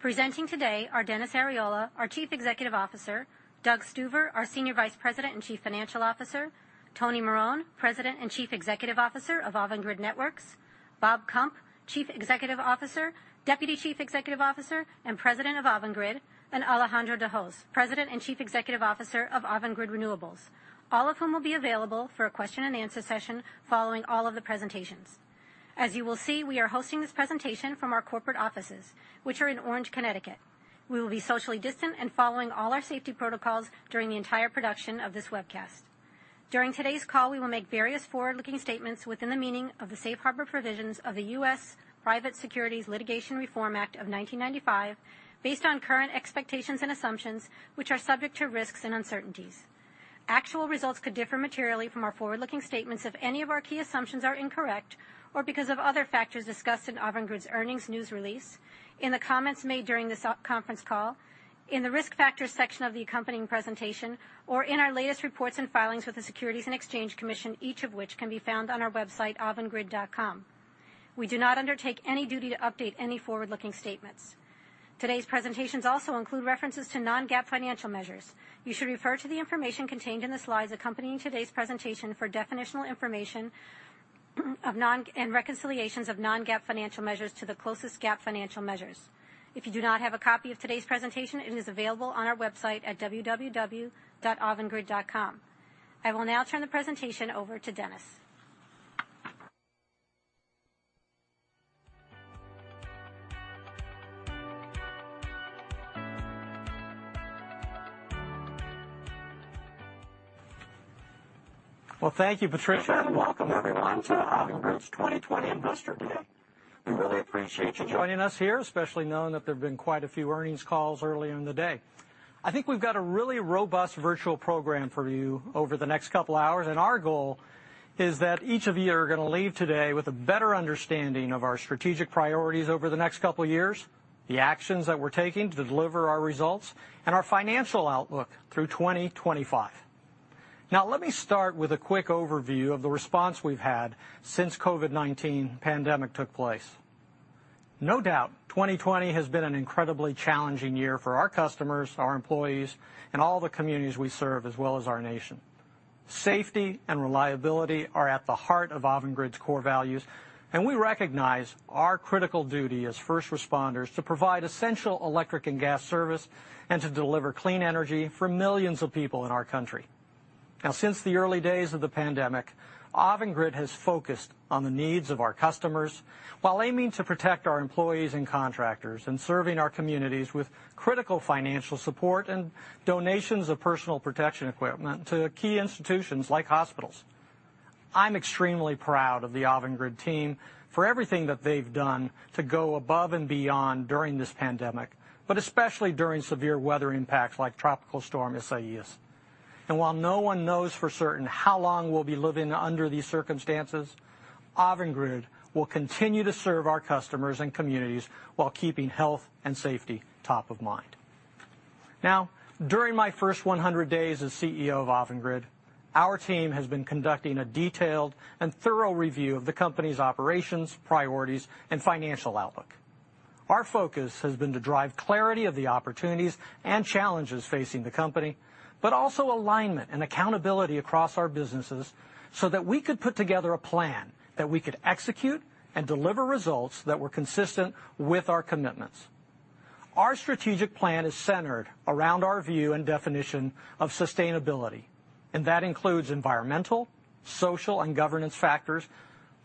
Presenting today are Dennis Arriola, our Chief Executive Officer, Doug Stuver, our Senior Vice President and Chief Financial Officer, Tony Marone, President and Chief Executive Officer of Avangrid Networks, Bob Kump, Deputy Chief Executive Officer, and President of Avangrid, and Alejandro de Hoz, President and Chief Executive Officer of Avangrid Renewables, all of whom will be available for a question and answer session following all of the presentations. As you will see, we are hosting this presentation from our corporate offices, which are in Orange, Connecticut. We will be socially distant and following all our safety protocols during the entire production of this webcast. During today's call, we will make various forward-looking statements within the meaning of the Safe Harbor Provisions of the U.S. Private Securities Litigation Reform Act of 1995, based on current expectations and assumptions, which are subject to risks and uncertainties. Actual results could differ materially from our forward-looking statements if any of our key assumptions are incorrect, or because of other factors discussed in Avangrid's earnings news release, in the comments made during this conference call, in the Risk Factors section of the accompanying presentation, or in our latest reports and filings with the Securities and Exchange Commission, each of which can be found on our website, avangrid.com. We do not undertake any duty to update any forward-looking statements. Today's presentations also include references to non-GAAP financial measures. You should refer to the information contained in the slides accompanying today's presentation for definitional information and reconciliations of non-GAAP financial measures to the closest GAAP financial measures. If you do not have a copy of today's presentation, it is available on our website at www.avangrid.com. I will now turn the presentation over to Dennis. Well, thank you, Patricia, and welcome everyone to Avangrid's 2020 Investor Day. We really appreciate you joining us here, especially knowing that there've been quite a few earnings calls earlier in the day. I think we've got a really robust virtual program for you over the next couple of hours, and our goal is that each of you are going to leave today with a better understanding of our strategic priorities over the next couple of years, the actions that we're taking to deliver our results, and our financial outlook through 2025. Now, let me start with a quick overview of the response we've had since COVID-19 pandemic took place. No doubt, 2020 has been an incredibly challenging year for our customers, our employees, and all the communities we serve, as well as our nation. Safety and reliability are at the heart of Avangrid's core values, and we recognize our critical duty as first responders to provide essential electric and gas service and to deliver clean energy for millions of people in our country. Now, since the early days of the pandemic, Avangrid has focused on the needs of our customers, while aiming to protect our employees and contractors, and serving our communities with critical financial support and donations of personal protection equipment to key institutions like hospitals. I'm extremely proud of the Avangrid team for everything that they've done to go above and beyond during this pandemic, but especially during severe weather impacts like Tropical Storm Isaias. While no one knows for certain how long we'll be living under these circumstances, Avangrid will continue to serve our customers and communities while keeping health and safety top of mind. Now, during my first 100 days as CEO of Avangrid, our team has been conducting a detailed and thorough review of the company's operations, priorities, and financial outlook. Our focus has been to drive clarity of the opportunities and challenges facing the company, but also alignment and accountability across our businesses so that we could put together a plan that we could execute and deliver results that were consistent with our commitments. Our strategic plan is centered around our view and definition of sustainability, and that includes environmental, social, and governance factors,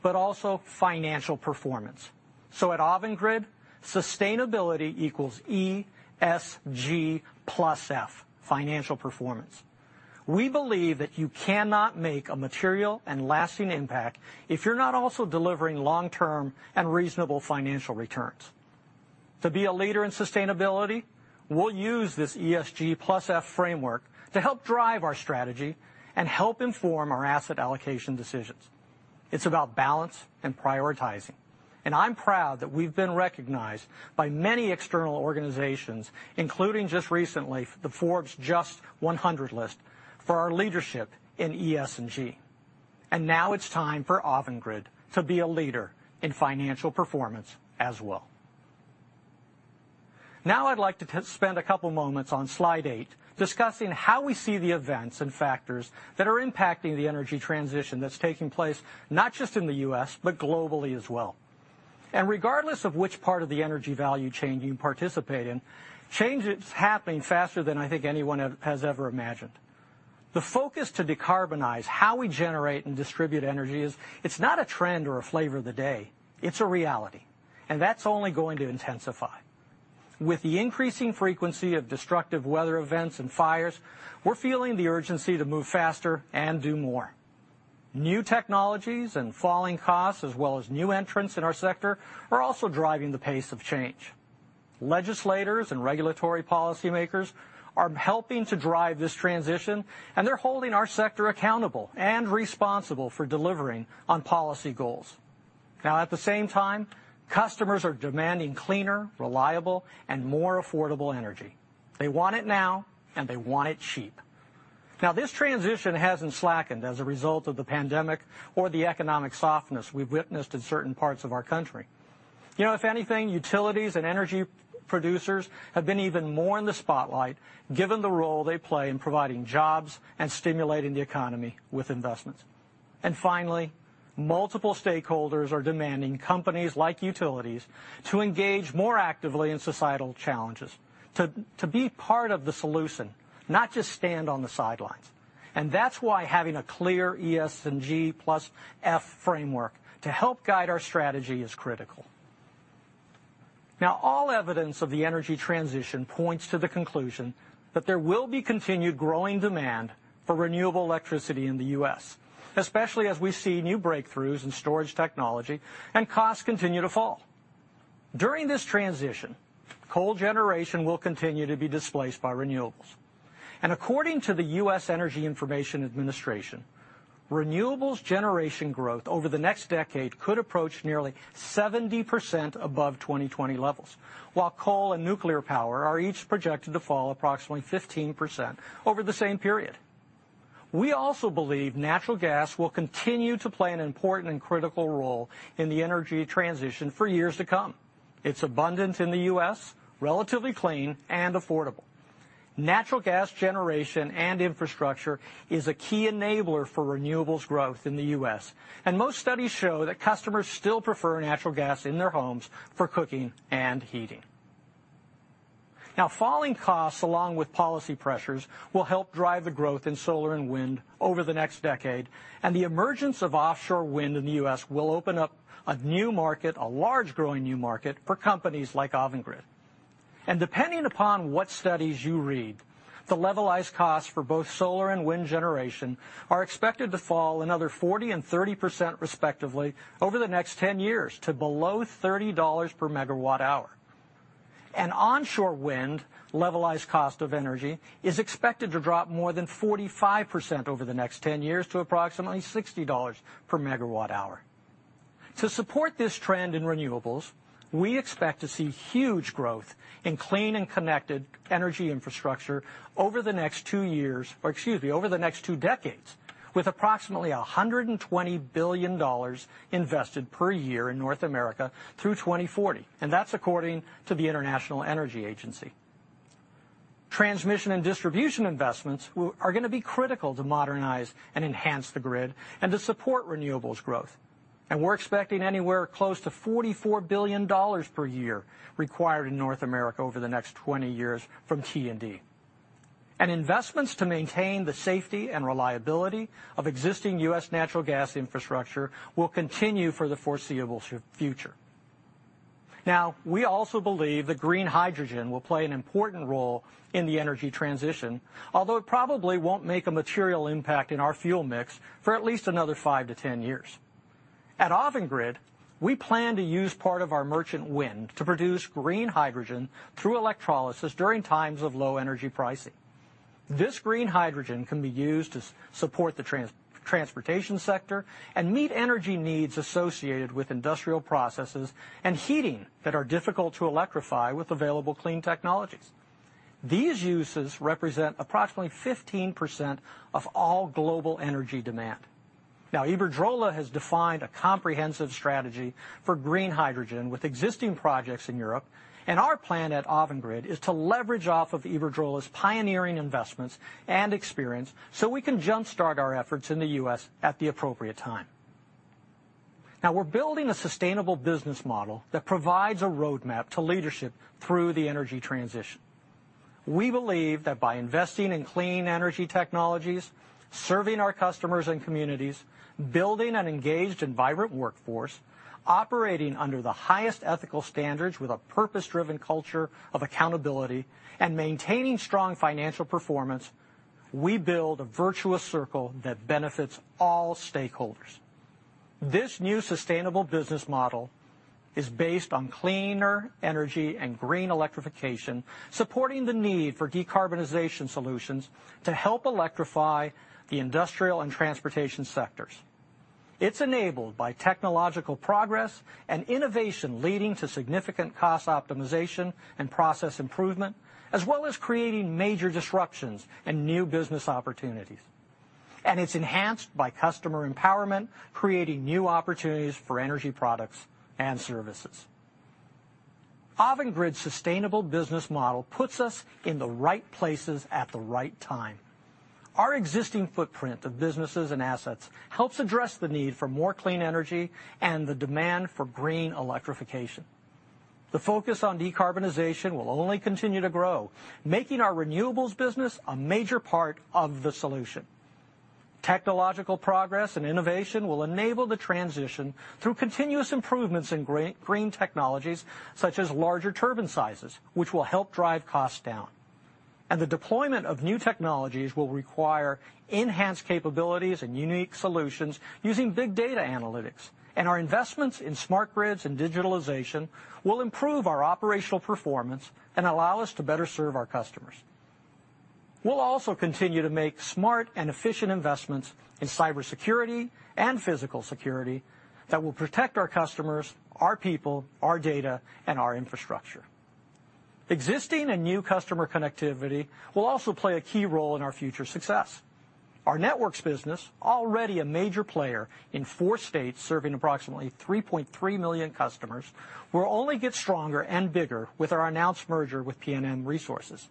but also financial performance. At Avangrid, sustainability equals ESG+F, financial performance. We believe that you cannot make a material and lasting impact if you're not also delivering long-term and reasonable financial returns. To be a leader in sustainability, we'll use this ESG+F framework to help drive our strategy and help inform our asset allocation decisions. It's about balance and prioritizing. I'm proud that we've been recognized by many external organizations, including just recently, the Forbes JUST 100 list for our leadership in ESG. Now it's time for Avangrid to be a leader in financial performance as well. Now, I'd like to spend a couple moments on slide eight discussing how we see the events and factors that are impacting the energy transition that's taking place, not just in the U.S., but globally as well. Regardless of which part of the energy value chain you participate in, change is happening faster than I think anyone has ever imagined. The focus to decarbonize how we generate and distribute energy is it's not a trend or a flavor of the day, it's a reality. That's only going to intensify. With the increasing frequency of destructive weather events and fires, we're feeling the urgency to move faster and do more. New technologies and falling costs, as well as new entrants in our sector, are also driving the pace of change. Legislators and regulatory policymakers are helping to drive this transition. They're holding our sector accountable and responsible for delivering on policy goals. Now, at the same time, customers are demanding cleaner, reliable, and more affordable energy. They want it now. They want it cheap. Now, this transition hasn't slackened as a result of the pandemic or the economic softness we've witnessed in certain parts of our country. If anything, utilities and energy producers have been even more in the spotlight given the role they play in providing jobs and stimulating the economy with investments. Finally, multiple stakeholders are demanding companies like utilities to engage more actively in societal challenges, to be part of the solution, not just stand on the sidelines. That's why having a clear ESG+F framework to help guide our strategy is critical. Now, all evidence of the energy transition points to the conclusion that there will be continued growing demand for renewable electricity in the U.S., especially as we see new breakthroughs in storage technology and costs continue to fall. During this transition, coal generation will continue to be displaced by renewables. According to the U.S. Energy Information Administration, renewables generation growth over the next decade could approach nearly 70% above 2020 levels, while coal and nuclear power are each projected to fall approximately 15% over the same period. We also believe natural gas will continue to play an important and critical role in the energy transition for years to come. It's abundant in the U.S., relatively clean, and affordable. Natural gas generation and infrastructure is a key enabler for renewables growth in the U.S., and most studies show that customers still prefer natural gas in their homes for cooking and heating. Falling costs, along with policy pressures, will help drive the growth in solar and wind over the next decade, and the emergence of offshore wind in the U.S. will open up a new market, a large growing new market, for companies like Avangrid. Depending upon what studies you read, the levelized costs for both solar and wind generation are expected to fall another 40% and 30% respectively over the next 10 years to below $30 per megawatt hour. An onshore wind levelized cost of energy is expected to drop more than 45% over the next 10 years to approximately $60 per megawatt hour. To support this trend in renewables, we expect to see huge growth in clean and connected energy infrastructure over the next two years, or excuse me, over the next two decades, with approximately $120 billion invested per year in North America through 2040, and that's according to the International Energy Agency. Transmission and distribution investments are going to be critical to modernize and enhance the grid and to support renewables growth. We're expecting anywhere close to $44 billion per year required in North America over the next 20 years from T&D. Investments to maintain the safety and reliability of existing U.S. natural gas infrastructure will continue for the foreseeable future. Now, we also believe that green hydrogen will play an important role in the energy transition, although it probably won't make a material impact in our fuel mix for at least another five to 10 years. At Avangrid, we plan to use part of our merchant wind to produce green hydrogen through electrolysis during times of low energy pricing. This green hydrogen can be used to support the transportation sector and meet energy needs associated with industrial processes and heating that are difficult to electrify with available clean technologies. These uses represent approximately 15% of all global energy demand. Iberdrola has defined a comprehensive strategy for green hydrogen with existing projects in Europe, and our plan at Avangrid is to leverage off of Iberdrola's pioneering investments and experience so we can jumpstart our efforts in the U.S. at the appropriate time. We're building a sustainable business model that provides a roadmap to leadership through the energy transition. We believe that by investing in clean energy technologies, serving our customers and communities, building an engaged and vibrant workforce, operating under the highest ethical standards with a purpose-driven culture of accountability, and maintaining strong financial performance, we build a virtuous circle that benefits all stakeholders. This new sustainable business model is based on cleaner energy and green electrification, supporting the need for decarbonization solutions to help electrify the industrial and transportation sectors. It's enabled by technological progress and innovation leading to significant cost optimization and process improvement, as well as creating major disruptions and new business opportunities. It's enhanced by customer empowerment, creating new opportunities for energy products and services. Avangrid's sustainable business model puts us in the right places at the right time. Our existing footprint of businesses and assets helps address the need for more clean energy and the demand for green electrification. The focus on decarbonization will only continue to grow, making our renewables business a major part of the solution. Technological progress and innovation will enable the transition through continuous improvements in green technologies, such as larger turbine sizes, which will help drive costs down. The deployment of new technologies will require enhanced capabilities and unique solutions using big data analytics, and our investments in smart grids and digitalization will improve our operational performance and allow us to better serve our customers. We'll also continue to make smart and efficient investments in cybersecurity and physical security that will protect our customers, our people, our data, and our infrastructure. Existing and new customer connectivity will also play a key role in our future success. Our networks business, already a major player in four states, serving approximately 3.3 million customers, will only get stronger and bigger with our announced merger with PNM Resources.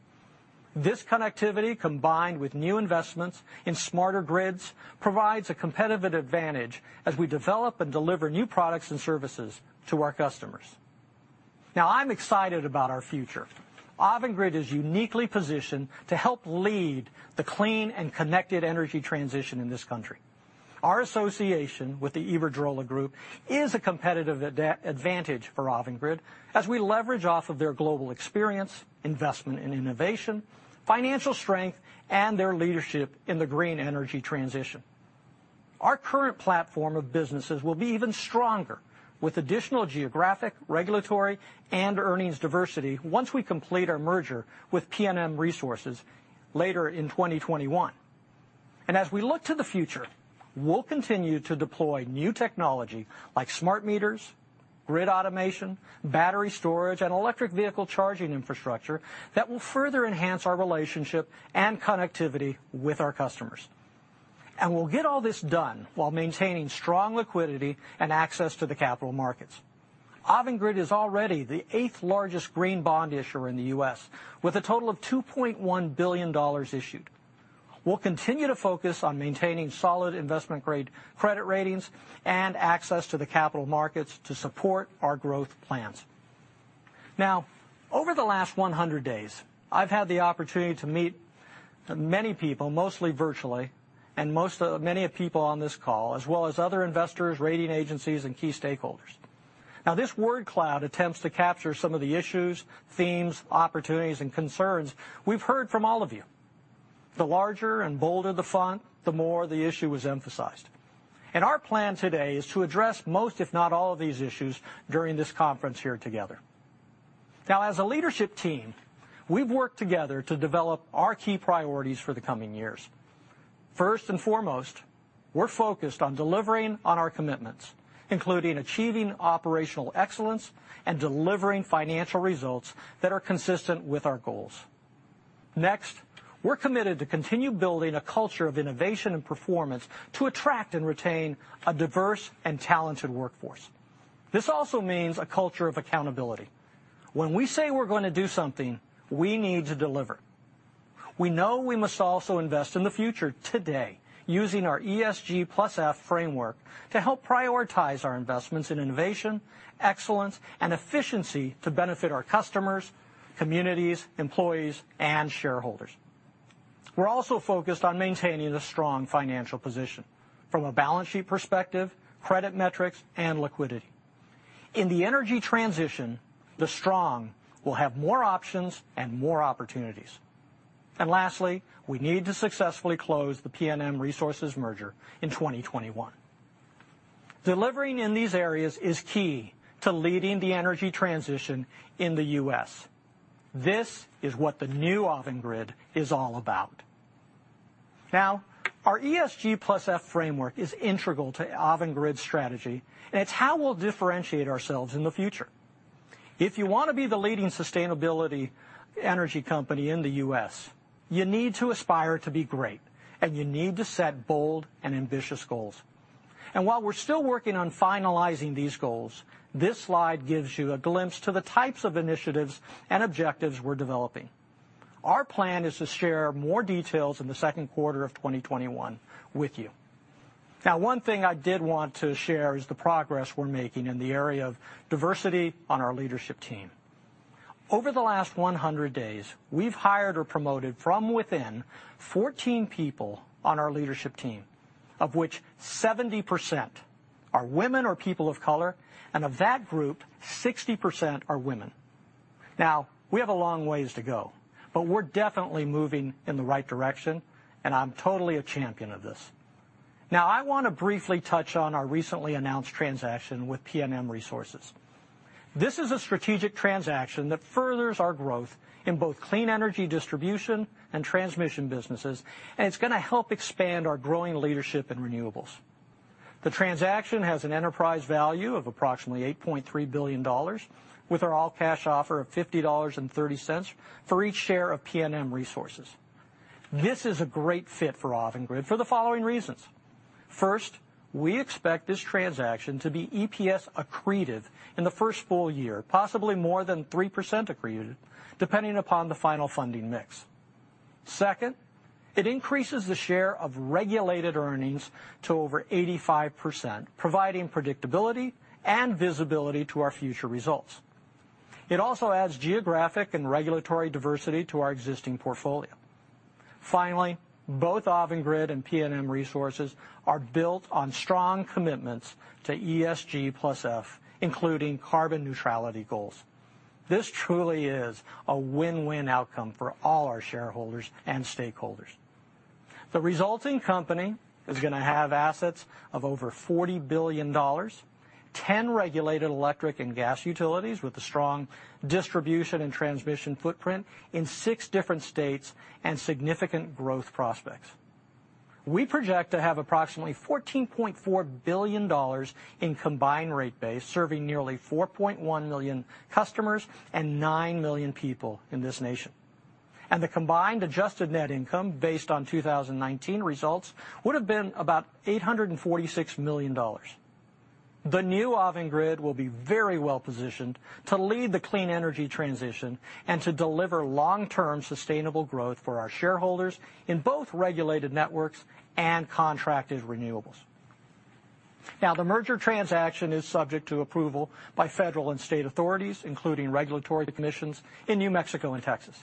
This connectivity, combined with new investments in smarter grids, provides a competitive advantage as we develop and deliver new products and services to our customers. I'm excited about our future. Avangrid is uniquely positioned to help lead the clean and connected energy transition in this country. Our association with the Iberdrola group is a competitive advantage for Avangrid as we leverage off of their global experience, investment in innovation, financial strength, and their leadership in the green energy transition. Our current platform of businesses will be even stronger with additional geographic, regulatory, and earnings diversity once we complete our merger with PNM Resources later in 2021. As we look to the future, we'll continue to deploy new technology like smart meters, grid automation, battery storage, and electric vehicle charging infrastructure that will further enhance our relationship and connectivity with our customers. We'll get all this done while maintaining strong liquidity and access to the capital markets. Avangrid is already the eighth-largest green bond issuer in the U.S., with a total of $2.1 billion issued. We'll continue to focus on maintaining solid investment-grade credit ratings and access to the capital markets to support our growth plans. Over the last 100 days, I've had the opportunity to meet many people, mostly virtually, and many people on this call, as well as other investors, rating agencies, and key stakeholders. This word cloud attempts to capture some of the issues, themes, opportunities, and concerns we've heard from all of you. The larger and bolder the font, the more the issue is emphasized. Our plan today is to address most, if not all, of these issues during this conference here together. As a leadership team, we've worked together to develop our key priorities for the coming years. First and foremost, we're focused on delivering on our commitments, including achieving operational excellence and delivering financial results that are consistent with our goals. We're committed to continue building a culture of innovation and performance to attract and retain a diverse and talented workforce. This also means a culture of accountability. When we say we're going to do something, we need to deliver. We know we must also invest in the future today, using our ESG+F framework to help prioritize our investments in innovation, excellence, and efficiency to benefit our customers, communities, employees, and shareholders. We're also focused on maintaining a strong financial position from a balance sheet perspective, credit metrics, and liquidity. In the energy transition, the strong will have more options and more opportunities. Lastly, we need to successfully close the PNM Resources merger in 2021. Delivering in these areas is key to leading the energy transition in the U.S. This is what the new Avangrid is all about. Our ESG+F framework is integral to Avangrid's strategy, and it's how we'll differentiate ourselves in the future. If you want to be the leading sustainability energy company in the U.S., you need to aspire to be great, and you need to set bold and ambitious goals. While we're still working on finalizing these goals, this slide gives you a glimpse to the types of initiatives and objectives we're developing. Our plan is to share more details in the second quarter of 2021 with you. One thing I did want to share is the progress we're making in the area of diversity on our leadership team. Over the last 100 days, we've hired or promoted from within 14 people on our leadership team, of which 70% are women or people of color, and of that group, 60% are women. We have a long ways to go, but we're definitely moving in the right direction, and I'm totally a champion of this. I want to briefly touch on our recently announced transaction with PNM Resources. This is a strategic transaction that furthers our growth in both clean energy distribution and transmission businesses, and it's going to help expand our growing leadership in renewables. The transaction has an enterprise value of approximately $8.3 billion, with our all-cash offer of $50.30 for each share of PNM Resources. This is a great fit for Avangrid for the following reasons. First, we expect this transaction to be EPS accretive in the first full year, possibly more than 3% accretive, depending upon the final funding mix. Second, it increases the share of regulated earnings to over 85%, providing predictability and visibility to our future results. It also adds geographic and regulatory diversity to our existing portfolio. Finally, both Avangrid and PNM Resources are built on strong commitments to ESG+F, including carbon neutrality goals. This truly is a win-win outcome for all our shareholders and stakeholders. The resulting company is going to have assets of over $40 billion, 10 regulated electric and gas utilities with a strong distribution and transmission footprint in six different states and significant growth prospects. We project to have approximately $14.4 billion in combined rate base, serving nearly 4.1 million customers and 9 million people in this nation. The combined adjusted net income based on 2019 results would've been about $846 million. The new Avangrid will be very well-positioned to lead the clean energy transition and to deliver long-term sustainable growth for our shareholders in both regulated networks and contracted renewables. The merger transaction is subject to approval by federal and state authorities, including regulatory commissions in New Mexico and Texas,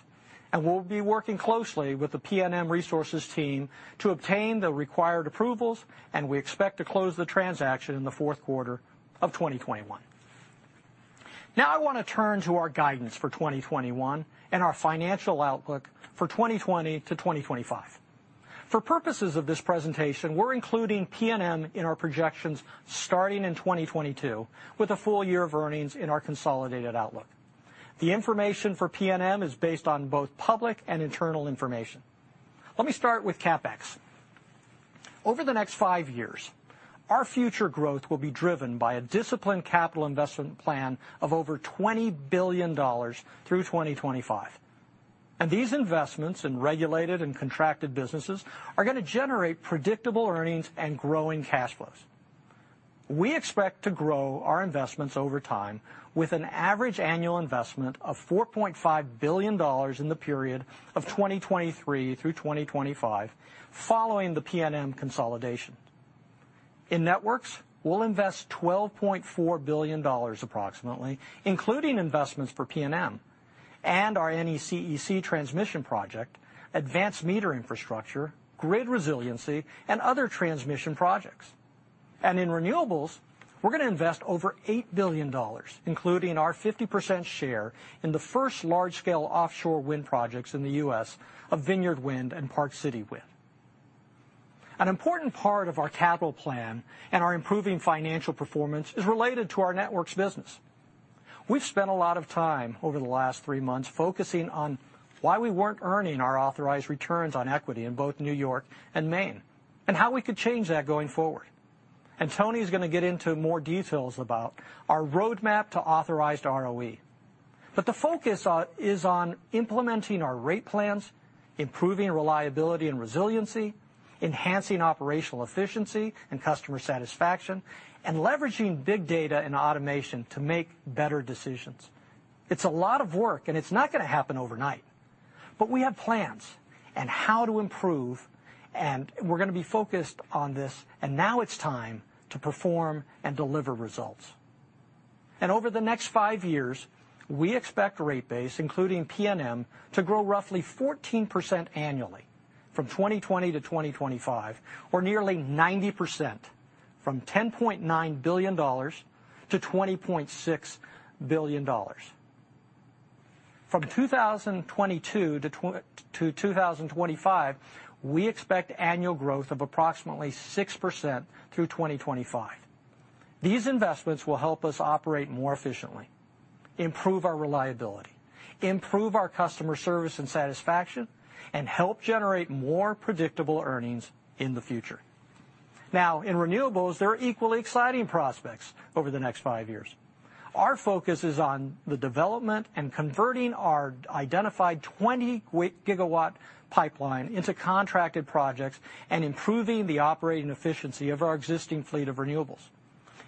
we'll be working closely with the PNM Resources team to obtain the required approvals, and we expect to close the transaction in the fourth quarter of 2021. I want to turn to our guidance for 2021 and our financial outlook for 2020 to 2025. For purposes of this presentation, we're including PNM in our projections starting in 2022 with a full year of earnings in our consolidated outlook. The information for PNM is based on both public and internal information. Let me start with CapEx. Over the next five years, our future growth will be driven by a disciplined capital investment plan of over $20 billion through 2025. These investments in regulated and contracted businesses are going to generate predictable earnings and growing cash flows. We expect to grow our investments over time with an average annual investment of $4.5 billion in the period of 2023 through 2025 following the PNM consolidation. In Networks, we'll invest $12.4 billion approximately, including investments for PNM and our NECEC transmission project, advanced meter infrastructure, grid resiliency, and other transmission projects. In Renewables, we're going to invest over $8 billion, including our 50% share in the first large-scale offshore wind projects in the U.S. of Vineyard Wind and Park City Wind. An important part of our capital plan and our improving financial performance is related to our Networks business. We've spent a lot of time over the last three months focusing on why we weren't earning our authorized returns on equity in both New York and Maine, and how we could change that going forward. Tony's going to get into more details about our roadmap to authorized ROE, the focus is on implementing our rate plans, improving reliability and resiliency, enhancing operational efficiency and customer satisfaction, and leveraging big data and automation to make better decisions. It's a lot of work, and it's not going to happen overnight, but we have plans on how to improve, and we're going to be focused on this, and now it's time to perform and deliver results. Over the next five years, we expect rate base, including PNM, to grow roughly 14% annually from 2020 to 2025, or nearly 90% from $10.9 billion to $20.6 billion. From 2022 to 2025, we expect annual growth of approximately 6% through 2025. These investments will help us operate more efficiently, improve our reliability, improve our customer service and satisfaction, and help generate more predictable earnings in the future. In renewables, there are equally exciting prospects over the next five years. Our focus is on the development and converting our identified 20 GW pipeline into contracted projects and improving the operating efficiency of our existing fleet of renewables.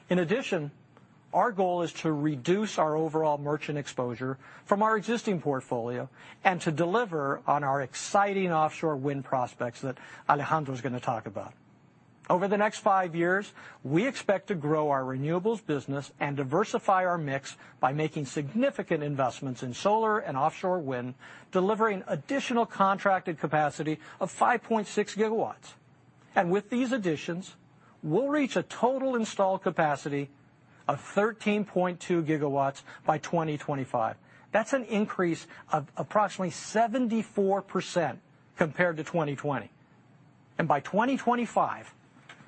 In addition, our goal is to reduce our overall merchant exposure from our existing portfolio and to deliver on our exciting offshore wind prospects that Alejandro's going to talk about. Over the next five years, we expect to grow our renewables business and diversify our mix by making significant investments in solar and offshore wind, delivering additional contracted capacity of 5.6 GW. With these additions, we'll reach a total installed capacity of 13.2 GW by 2025. That's an increase of approximately 74% compared to 2020. By 2025,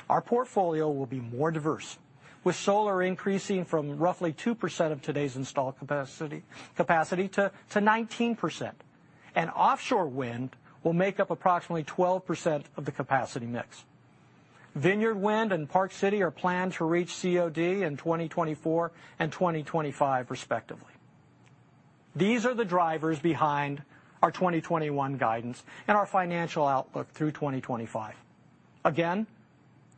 our portfolio will be more diverse, with solar increasing from roughly 2% of today's installed capacity to 19%, and offshore wind will make up approximately 12% of the capacity mix. Vineyard Wind and Park City are planned to reach COD in 2024 and 2025 respectively. These are the drivers behind our 2021 guidance and our financial outlook through 2025. Again,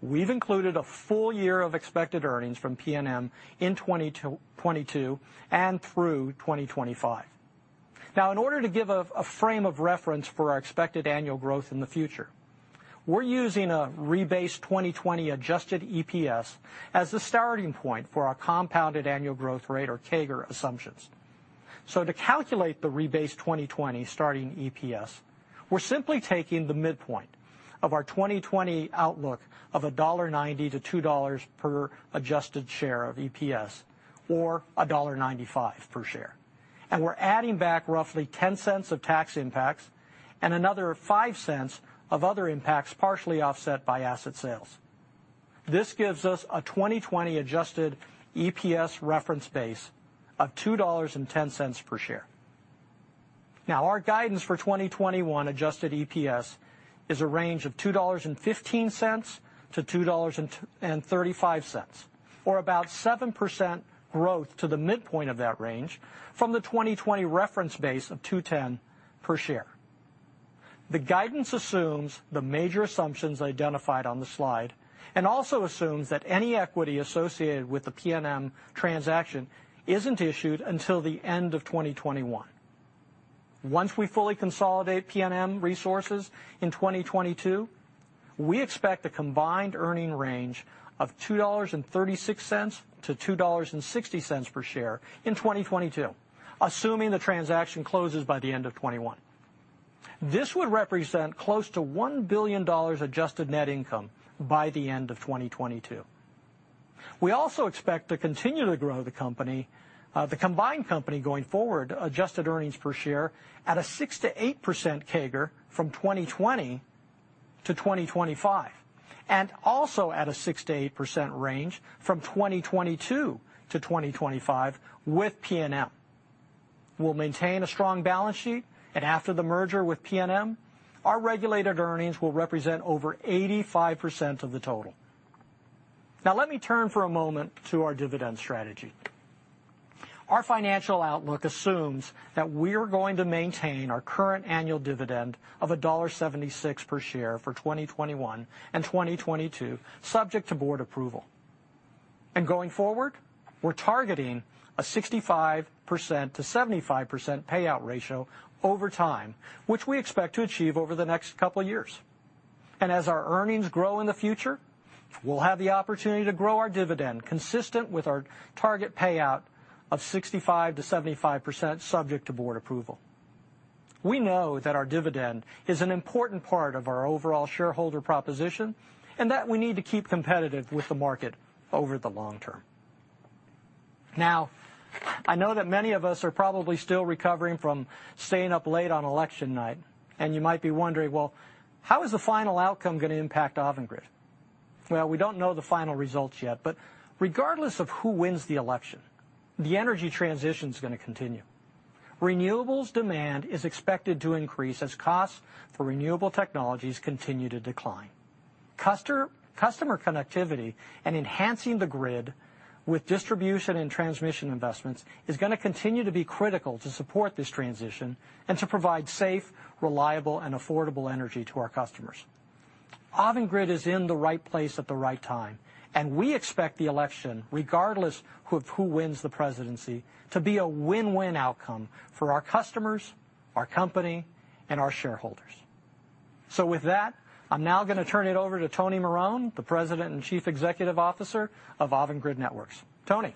we've included a full year of expected earnings from PNM in 2022 and through 2025. In order to give a frame of reference for our expected annual growth in the future, we're using a rebased 2020 adjusted EPS as the starting point for our compounded annual growth rate or CAGR assumptions. To calculate the rebased 2020 starting EPS, we're simply taking the midpoint of our 2020 outlook of $1.90-$2 per adjusted share of EPS or $1.95 per share. We're adding back roughly $0.10 of tax impacts and another $0.05 of other impacts partially offset by asset sales. This gives us a 2020 adjusted EPS reference base of $2.10 per share. Our guidance for 2021 adjusted EPS is a range of $2.15-$2.35, or about 7% growth to the midpoint of that range from the 2020 reference base of $2.10 per share. The guidance assumes the major assumptions identified on the slide and also assumes that any equity associated with the PNM transaction isn't issued until the end of 2021. Once we fully consolidate PNM Resources in 2022, we expect a combined earning range of $2.36-$2.60 per share in 2022, assuming the transaction closes by the end of 2021. This would represent close to $1 billion adjusted net income by the end of 2022. We also expect to continue to grow the combined company going forward, adjusted earnings per share at a 6%-8% CAGR from 2020-2025, and also at a 6%-8% range from 2022-2025 with PNM. We'll maintain a strong balance sheet, and after the merger with PNM, our regulated earnings will represent over 85% of the total. Let me turn for a moment to our dividend strategy. Our financial outlook assumes that we're going to maintain our current annual dividend of $1.76 per share for 2021 and 2022, subject to board approval. Going forward, we're targeting a 65%-75% payout ratio over time, which we expect to achieve over the next couple of years. As our earnings grow in the future, we'll have the opportunity to grow our dividend consistent with our target payout of 65%-75%, subject to board approval. We know that our dividend is an important part of our overall shareholder proposition, and that we need to keep competitive with the market over the long term. I know that many of us are probably still recovering from staying up late on election night, and you might be wondering, how is the final outcome going to impact Avangrid? We don't know the final results yet, regardless of who wins the election, the energy transition is going to continue. Renewables demand is expected to increase as costs for renewable technologies continue to decline. Customer connectivity and enhancing the grid with distribution and transmission investments is going to continue to be critical to support this transition and to provide safe, reliable, and affordable energy to our customers. Avangrid is in the right place at the right time, and we expect the election, regardless of who wins the presidency, to be a win-win outcome for our customers, our company, and our shareholders. With that, I'm now going to turn it over to Tony Marone, the President and Chief Executive Officer of Avangrid Networks. Tony.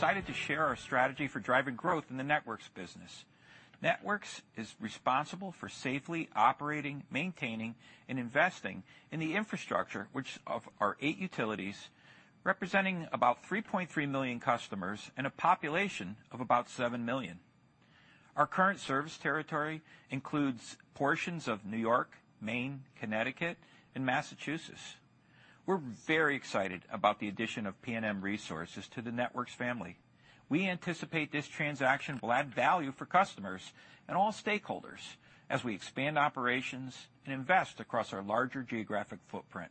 Thanks, Dennis. I'm excited to share our strategy for driving growth in the Networks business. Networks is responsible for safely operating, maintaining, and investing in the infrastructure, which of our eight utilities representing about 3.3 million customers and a population of about seven million. Our current service territory includes portions of New York, Maine, Connecticut, and Massachusetts. We're very excited about the addition of PNM Resources to the Networks family. We anticipate this transaction will add value for customers and all stakeholders as we expand operations and invest across our larger geographic footprint.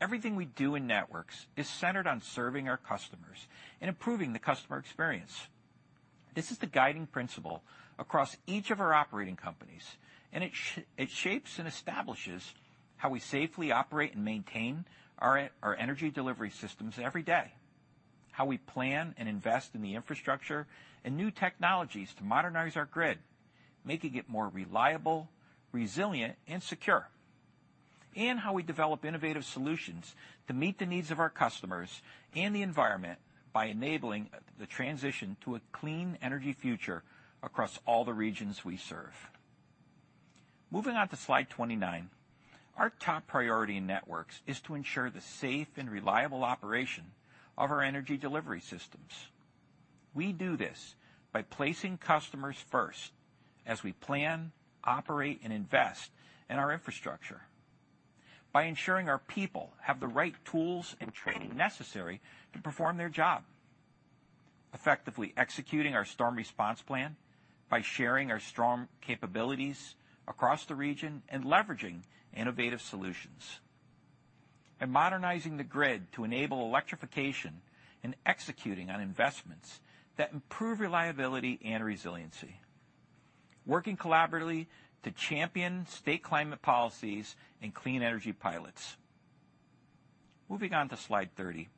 Everything we do in Networks is centered on serving our customers and improving the customer experience. This is the guiding principle across each of our operating companies. It shapes and establishes how we safely operate and maintain our energy delivery systems every day, how we plan and invest in the infrastructure and new technologies to modernize our grid, making it more reliable, resilient, and secure, and how we develop innovative solutions to meet the needs of our customers and the environment by enabling the transition to a clean energy future across all the regions we serve. Moving on to slide 29. Our top priority in Networks is to ensure the safe and reliable operation of our energy delivery systems. We do this by placing customers first as we plan, operate, and invest in our infrastructure, by ensuring our people have the right tools and training necessary to perform their job, effectively executing our storm response plan by sharing our strong capabilities across the region and leveraging innovative solutions, and modernizing the grid to enable electrification and executing on investments that improve reliability and resiliency, working collaboratively to champion state climate policies and clean energy pilots. Moving on to slide 30.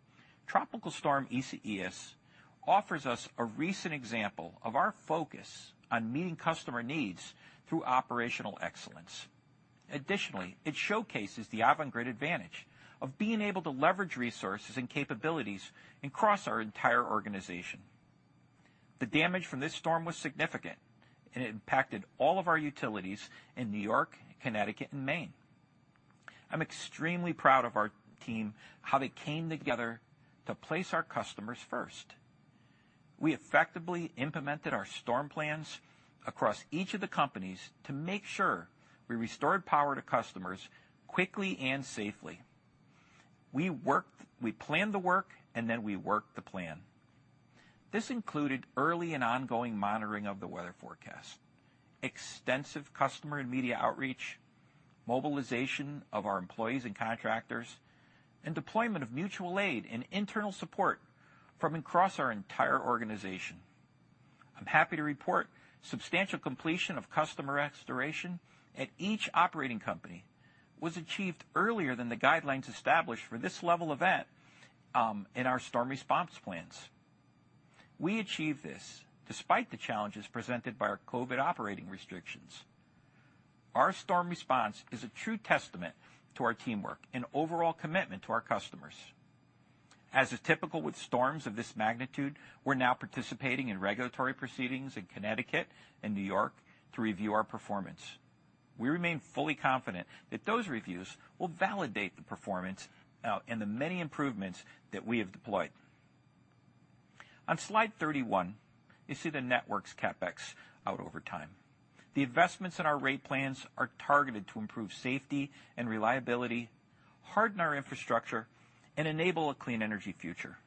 Tropical Storm Isaias offers us a recent example of our focus on meeting customer needs through operational excellence. Additionally, it showcases the Avangrid advantage of being able to leverage resources and capabilities across our entire organization. The damage from this storm was significant, and it impacted all of our utilities in New York, Connecticut, and Maine. I'm extremely proud of our team, how they came together to place our customers first. We effectively implemented our storm plans across each of the companies to make sure we restored power to customers quickly and safely. We planned the work, then we worked the plan. This included early and ongoing monitoring of the weather forecast, extensive customer and media outreach, mobilization of our employees and contractors, and deployment of mutual aid and internal support from across our entire organization. I'm happy to report substantial completion of customer restoration at each operating company was achieved earlier than the guidelines established for this level of event in our storm response plans. We achieved this despite the challenges presented by our COVID operating restrictions. Our storm response is a true testament to our teamwork and overall commitment to our customers. As is typical with storms of this magnitude, we're now participating in regulatory proceedings in Connecticut and New York to review our performance. We remain fully confident that those reviews will validate the performance and the many improvements that we have deployed. On slide 31, you see the Networks CapEx out over time. The investments in our rate plans are targeted to improve safety and reliability, harden our infrastructure, and enable a clean energy future.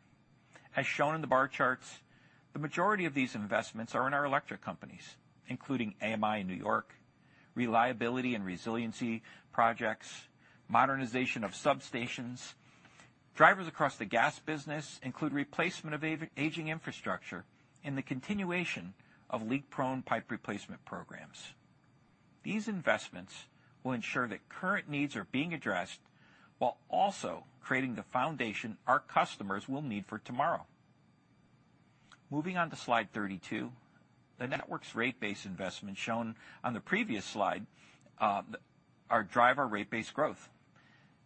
As shown in the bar charts, the majority of these investments are in our electric companies, including AMI in New York, reliability and resiliency projects, modernization of substations. Drivers across the gas business include replacement of aging infrastructure and the continuation of leak-prone pipe replacement programs. These investments will ensure that current needs are being addressed while also creating the foundation our customers will need for tomorrow. Moving on to slide 32. The Networks rate base investment shown on the previous slide drive our rate base growth,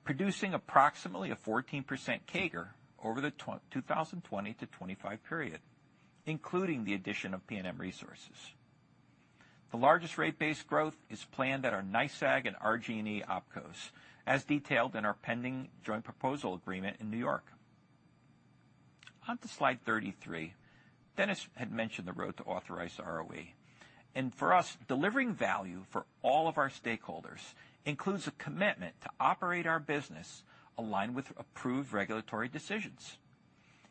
producing approximately a 14% CAGR over the 2020-2025 period, including the addition of PNM Resources. The largest rate base growth is planned at our NYSEG and RG&E OpCos, as detailed in our pending joint proposal agreement in New York. On to slide 33. Dennis had mentioned the road to authorized ROE, and for us, delivering value for all of our stakeholders includes a commitment to operate our business aligned with approved regulatory decisions,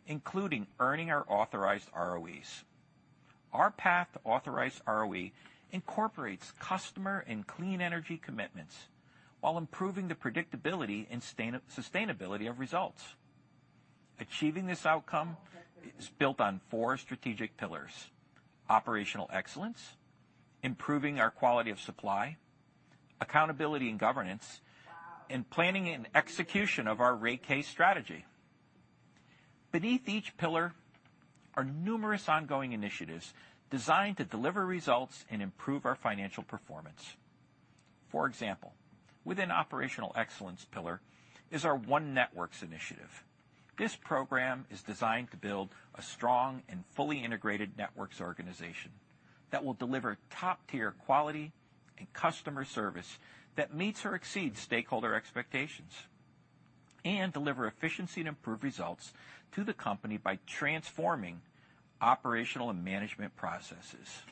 including earning our authorized ROEs. Our path to authorized ROE incorporates customer and clean energy commitments while improving the predictability and sustainability of results. Achieving this outcome is built on four strategic pillars, operational excellence, improving our quality of supply, accountability and governance, and planning and execution of our rate case strategy. Beneath each pillar are numerous ongoing initiatives designed to deliver results and improve our financial performance. For example, within operational excellence pillar is our One Networks initiative. This program is designed to build a strong and fully integrated networks organization that will deliver top-tier quality and customer service that meets or exceeds stakeholder expectations and deliver efficiency and improved results to the company by transforming operational and management processes.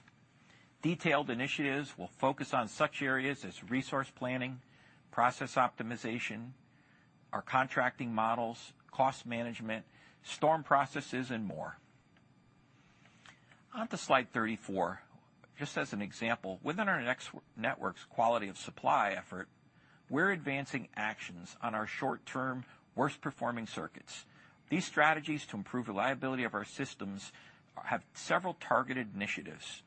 Detailed initiatives will focus on such areas as resource planning, process optimization, our contracting models, cost management, storm processes, and more. On to slide 34. Just as an example, within our networks quality of supply effort, we're advancing actions on our short-term, worst-performing circuits. These strategies to improve reliability of our systems have several targeted initiatives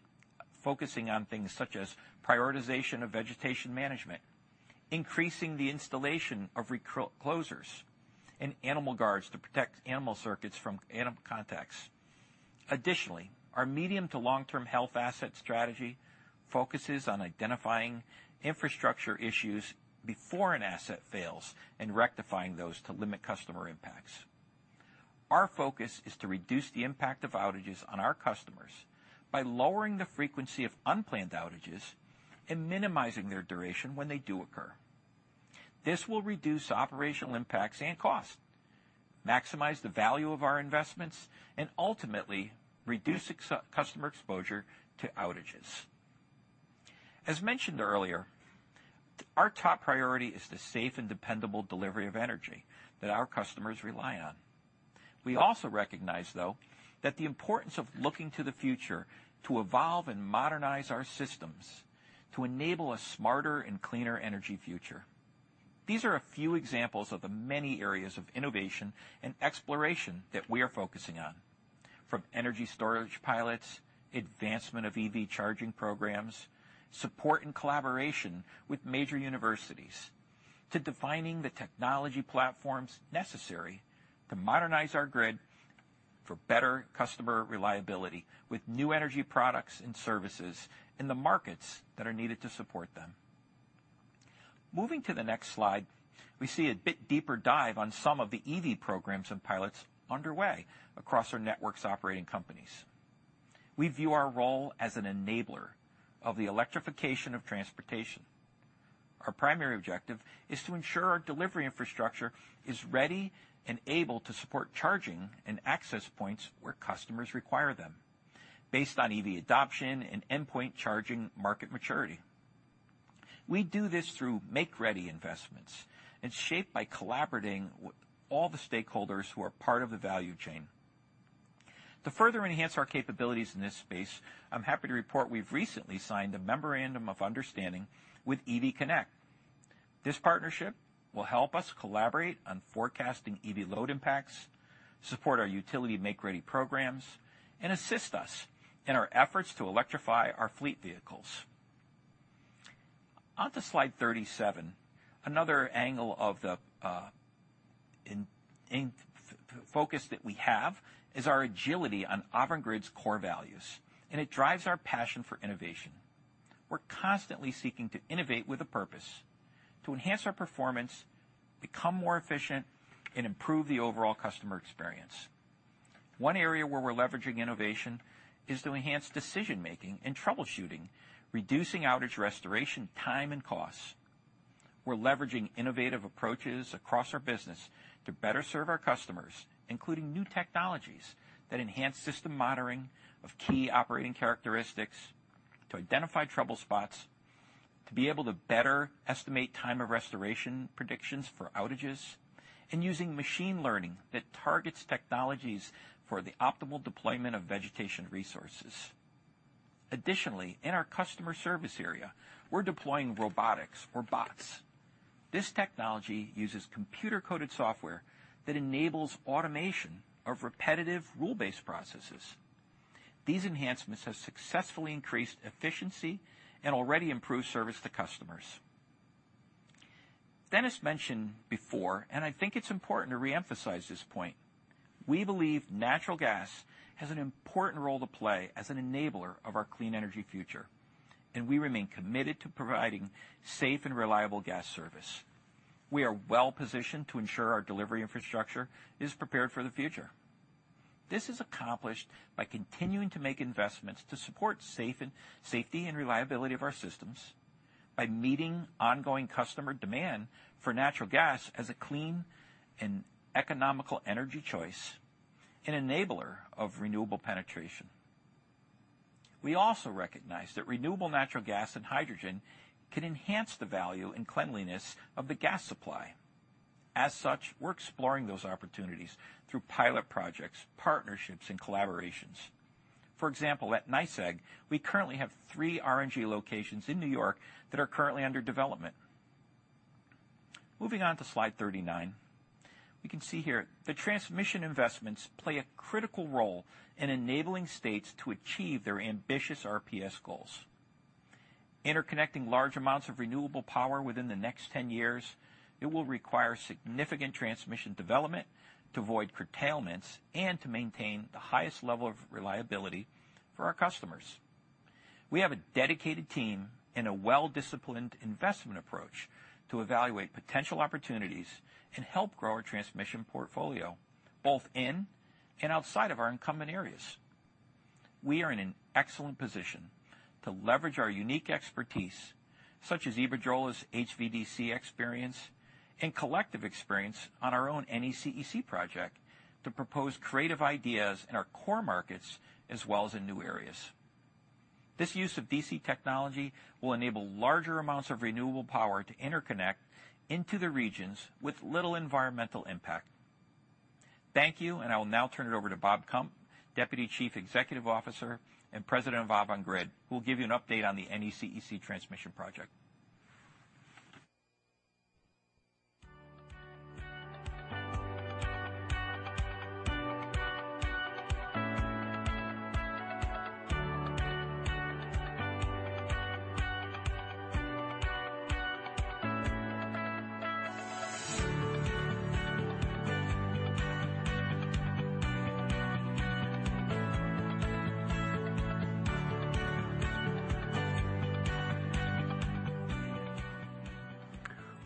focusing on things such as prioritization of vegetation management, increasing the installation of reclosers, and animal guards to protect animal circuits from animal contacts. Additionally, our medium to long-term health asset strategy focuses on identifying infrastructure issues before an asset fails and rectifying those to limit customer impacts. Our focus is to reduce the impact of outages on our customers by lowering the frequency of unplanned outages and minimizing their duration when they do occur. This will reduce operational impacts and costs, maximize the value of our investments, and ultimately reduce customer exposure to outages. As mentioned earlier, our top priority is the safe and dependable delivery of energy that our customers rely on. We also recognize, though, that the importance of looking to the future to evolve and modernize our systems to enable a smarter and cleaner energy future. These are a few examples of the many areas of innovation and exploration that we are focusing on, from energy storage pilots, advancement of EV charging programs, support and collaboration with major universities, to defining the technology platforms necessary to modernize our grid for better customer reliability with new energy products and services in the markets that are needed to support them. Moving to the next slide, we see a bit deeper dive on some of the EV programs and pilots underway across our Networks' operating companies. We view our role as an enabler of the electrification of transportation. Our primary objective is to ensure our delivery infrastructure is ready and able to support charging and access points where customers require them based on EV adoption and endpoint charging market maturity. We do this through make-ready investments and shaped by collaborating with all the stakeholders who are part of the value chain. To further enhance our capabilities in this space, I'm happy to report we've recently signed a memorandum of understanding with EV Connect. This partnership will help us collaborate on forecasting EV load impacts, support our utility make-ready programs, and assist us in our efforts to electrify our fleet vehicles. On to slide 37. Another angle of the focus that we have is our agility on Avangrid's core values. It drives our passion for innovation. We're constantly seeking to innovate with a purpose, to enhance our performance, become more efficient, and improve the overall customer experience. One area where we're leveraging innovation is to enhance decision-making and troubleshooting, reducing outage restoration time and costs. We're leveraging innovative approaches across our business to better serve our customers, including new technologies that enhance system monitoring of key operating characteristics to identify trouble spots, to be able to better estimate time of restoration predictions for outages, and using machine learning that targets technologies for the optimal deployment of vegetation resources. Additionally, in our customer service area, we're deploying robotics or bots. This technology uses computer-coded software that enables automation of repetitive, rule-based processes. These enhancements have successfully increased efficiency and already improve service to customers. Dennis mentioned before, and I think it's important to reemphasize this point, we believe natural gas has an important role to play as an enabler of our clean energy future, and we remain committed to providing safe and reliable gas service. We are well-positioned to ensure our delivery infrastructure is prepared for the future. This is accomplished by continuing to make investments to support safety and reliability of our systems, by meeting ongoing customer demand for natural gas as a clean and economical energy choice and enabler of renewable penetration. We also recognize that renewable natural gas and hydrogen can enhance the value and cleanliness of the gas supply. As such, we're exploring those opportunities through pilot projects, partnerships, and collaborations. For example, at NYSEG, we currently have three RNG locations in New York that are currently under development. Moving on to slide 39. We can see here that transmission investments play a critical role in enabling states to achieve their ambitious RPS goals. Interconnecting large amounts of renewable power within the next 10 years, it will require significant transmission development to avoid curtailments and to maintain the highest level of reliability for our customers. We have a dedicated team and a well-disciplined investment approach to evaluate potential opportunities and help grow our transmission portfolio, both in and outside of our incumbent areas. We are in an excellent position to leverage our unique expertise, such as Iberdrola's HVDC experience and collective experience on our own NECEC project, to propose creative ideas in our core markets, as well as in new areas. This use of DC technology will enable larger amounts of renewable power to interconnect into the regions with little environmental impact. Thank you. I will now turn it over to Bob Kump, Deputy Chief Executive Officer and President of Avangrid, who will give you an update on the NECEC transmission project.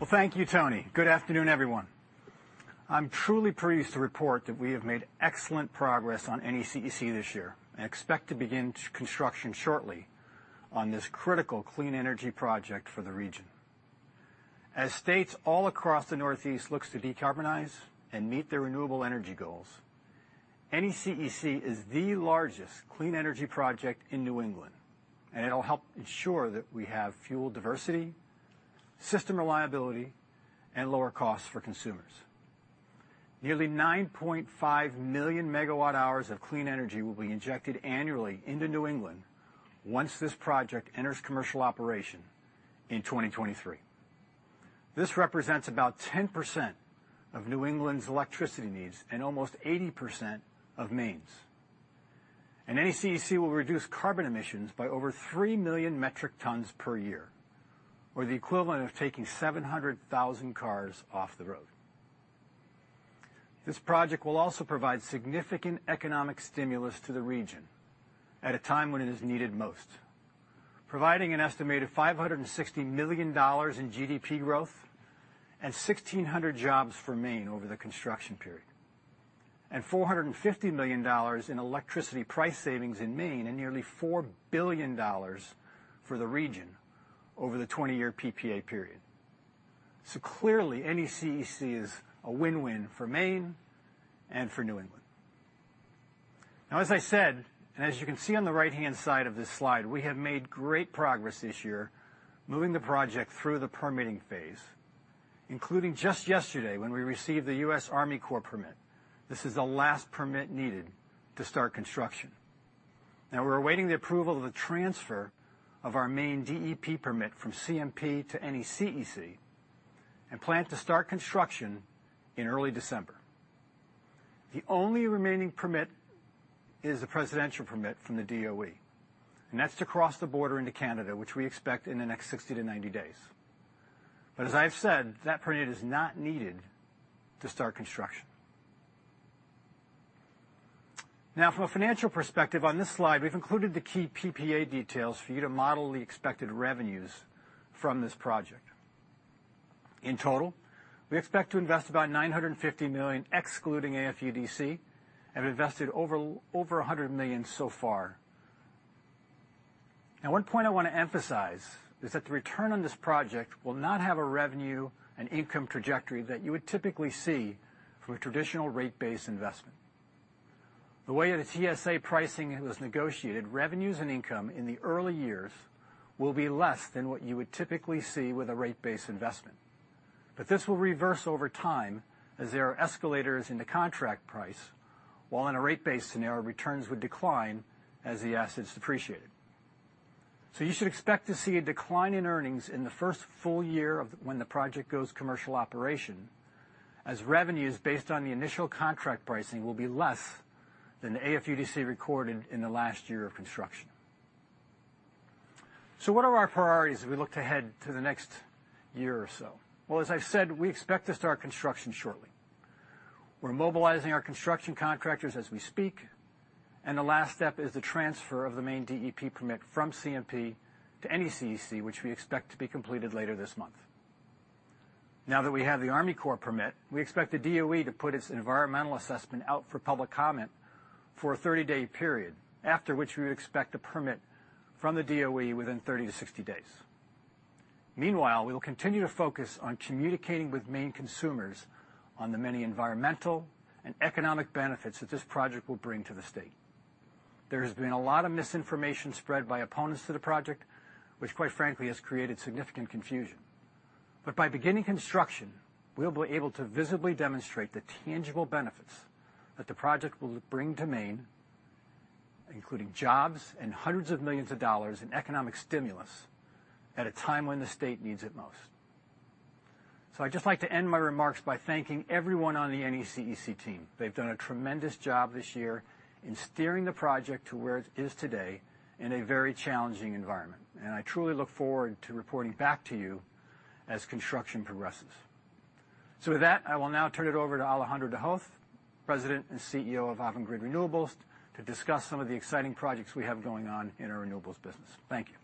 Well, thank you, Tony. Good afternoon, everyone. I'm truly pleased to report that we have made excellent progress on NECEC this year and expect to begin construction shortly on this critical clean energy project for the region. As states all across the Northeast looks to decarbonize and meet their renewable energy goals, NECEC is the largest clean energy project in New England, and it'll help ensure that we have fuel diversity, system reliability, and lower costs for consumers. Nearly 9.5 million megawatt hours of clean energy will be injected annually into New England once this project enters commercial operation in 2023. This represents about 10% of New England's electricity needs and almost 80% of Maine's. NECEC will reduce carbon emissions by over 3 million metric tons per year, or the equivalent of taking 700,000 cars off the road. This project will also provide significant economic stimulus to the region at a time when it is needed most, providing an estimated $560 million in GDP growth and 1,600 jobs for Maine over the construction period, and $450 million in electricity price savings in Maine and nearly $4 billion for the region over the 20-year PPA period. Clearly, NECEC is a win-win for Maine and for New England. As I said, and as you can see on the right-hand side of this slide, we have made great progress this year moving the project through the permitting phase, including just yesterday when we received the U.S. Army Corps permit. This is the last permit needed to start construction. We're awaiting the approval of the transfer of our Maine DEP permit from CMP to NECEC, and plan to start construction in early December. The only remaining permit is the presidential permit from the DOE, and that's to cross the border into Canada, which we expect in the next 60 to 90 days. As I've said, that permit is not needed to start construction. From a financial perspective, on this slide, we've included the key PPA details for you to model the expected revenues from this project. In total, we expect to invest about $950 million, excluding AFUDC, and have invested over $100 million so far. One point I want to emphasize is that the return on this project will not have a revenue and income trajectory that you would typically see for a traditional rate-based investment. The way the TSA pricing was negotiated, revenues and income in the early years will be less than what you would typically see with a rate-based investment. This will reverse over time, as there are escalators in the contract price, while in a rate-based scenario, returns would decline as the assets depreciated. You should expect to see a decline in earnings in the first full year of when the project goes commercial operation, as revenues based on the initial contract pricing will be less than the AFUDC recorded in the last year of construction. What are our priorities as we look to head to the next year or so? Well, as I said, we expect to start construction shortly. We're mobilizing our construction contractors as we speak, and the last step is the transfer of the Maine DEP permit from CMP to NECEC, which we expect to be completed later this month. Now that we have the Army Corps permit, we expect the DOE to put its environmental assessment out for public comment for a 30-day period, after which we would expect a permit from the DOE within 30-60 days. Meanwhile, we will continue to focus on communicating with Maine consumers on the many environmental and economic benefits that this project will bring to the state. There has been a lot of misinformation spread by opponents to the project, which quite frankly has created significant confusion. By beginning construction, we'll be able to visibly demonstrate the tangible benefits that the project will bring to Maine, including jobs and hundreds of millions of dollars in economic stimulus at a time when the state needs it most. I'd just like to end my remarks by thanking everyone on the NECEC team. They've done a tremendous job this year in steering the project to where it is today in a very challenging environment. I truly look forward to reporting back to you as construction progresses. With that, I will now turn it over to Alejandro de Hoz, President and CEO of Avangrid Renewables, to discuss some of the exciting projects we have going on in our renewables business. Thank you.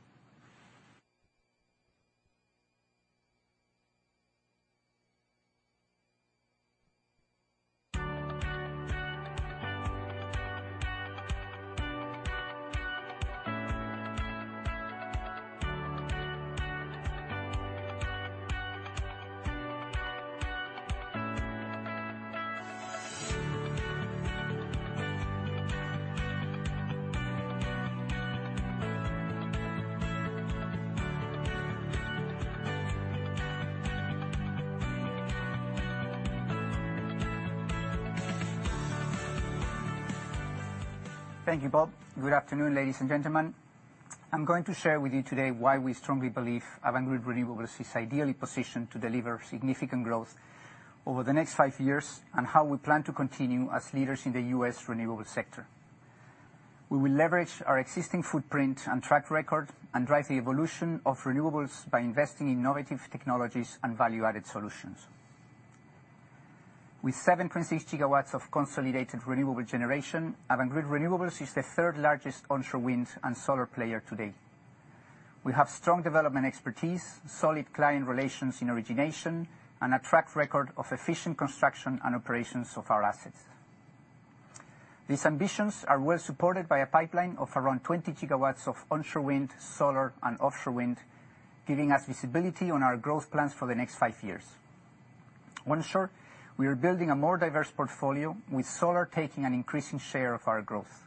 Thank you, Bob. Good afternoon, ladies and gentlemen. I'm going to share with you today why we strongly believe Avangrid Renewables is ideally positioned to deliver significant growth over the next five years, and how we plan to continue as leaders in the U.S. renewable sector. We will leverage our existing footprint and track record and drive the evolution of renewables by investing in innovative technologies and value-added solutions. With 7.6 GW of consolidated renewable generation, Avangrid Renewables is the third-largest onshore wind and solar player today. We have strong development expertise, solid client relations in origination, and a track record of efficient construction and operations of our assets. These ambitions are well supported by a pipeline of around 20 GW of onshore wind, solar, and offshore wind, giving us visibility on our growth plans for the next five years. Onshore, we are building a more diverse portfolio, with solar taking an increasing share of our growth.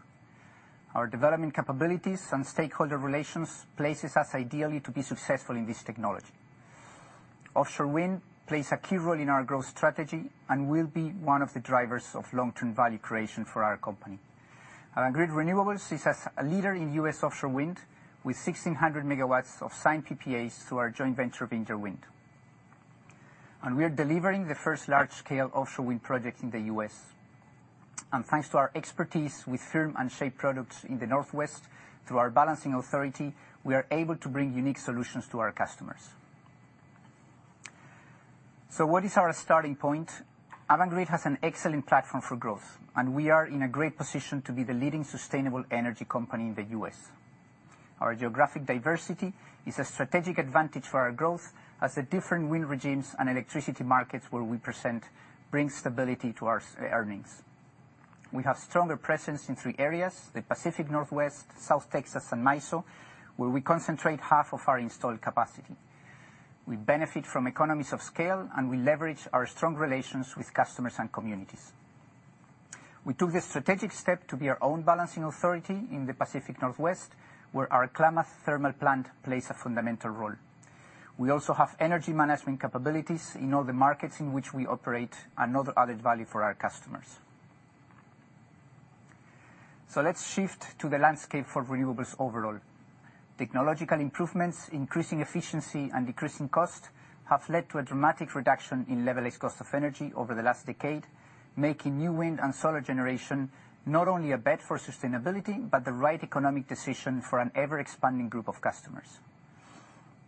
Our development capabilities and stakeholder relations places us ideally to be successful in this technology. Offshore wind plays a key role in our growth strategy and will be one of the drivers of long-term value creation for our company. Avangrid Renewables is a leader in U.S. offshore wind, with 1,600 MW of signed PPAs through our joint venture of Interwind. We are delivering the first large-scale offshore wind project in the U.S. Thanks to our expertise with firm and shape products in the Northwest, through our balancing authority, we are able to bring unique solutions to our customers. What is our starting point? Avangrid has an excellent platform for growth, and we are in a great position to be the leading sustainable energy company in the U.S. Our geographic diversity is a strategic advantage for our growth as the different wind regimes and electricity markets where we present bring stability to our earnings. We have stronger presence in three areas, the Pacific Northwest, South Texas, and MISO, where we concentrate half of our installed capacity. We benefit from economies of scale, and we leverage our strong relations with customers and communities. We took the strategic step to be our own balancing authority in the Pacific Northwest, where our Klamath thermal plant plays a fundamental role. We also have energy management capabilities in all the markets in which we operate, another added value for our customers. Let's shift to the landscape for renewables overall. Technological improvements, increasing efficiency, and decreasing cost have led to a dramatic reduction in levelized cost of energy over the last decade, making new wind and solar generation not only a bet for sustainability, but the right economic decision for an ever-expanding group of customers.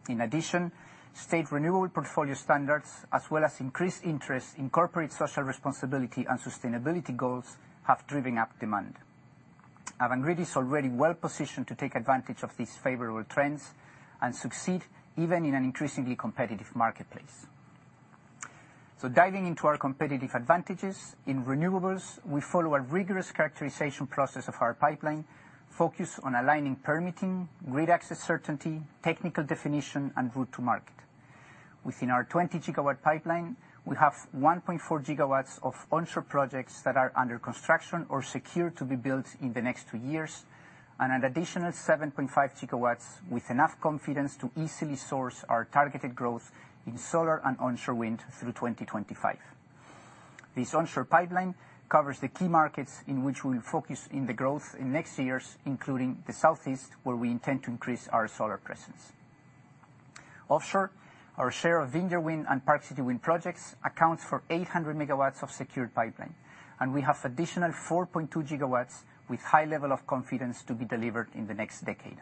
In addition, state renewable portfolio standards, as well as increased interest in corporate social responsibility and sustainability goals, have driven up demand. Avangrid is already well-positioned to take advantage of these favorable trends and succeed even in an increasingly competitive marketplace. Diving into our competitive advantages, in renewables, we follow a rigorous characterization process of our pipeline, focused on aligning permitting, grid access certainty, technical definition, and route to market. Within our 20-GW pipeline, we have 1.4 GW of onshore projects that are under construction or secure to be built in the next two years, and an additional 7.5 GW with enough confidence to easily source our targeted growth in solar and onshore wind through 2025. This onshore pipeline covers the key markets in which we'll focus on the growth in next years, including the Southeast, where we intend to increase our solar presence. Offshore, our share of Vineyard Wind and Park City Wind projects accounts for 800 MW of secured pipeline, and we have additional 4.2 GW with high level of confidence to be delivered in the next decade.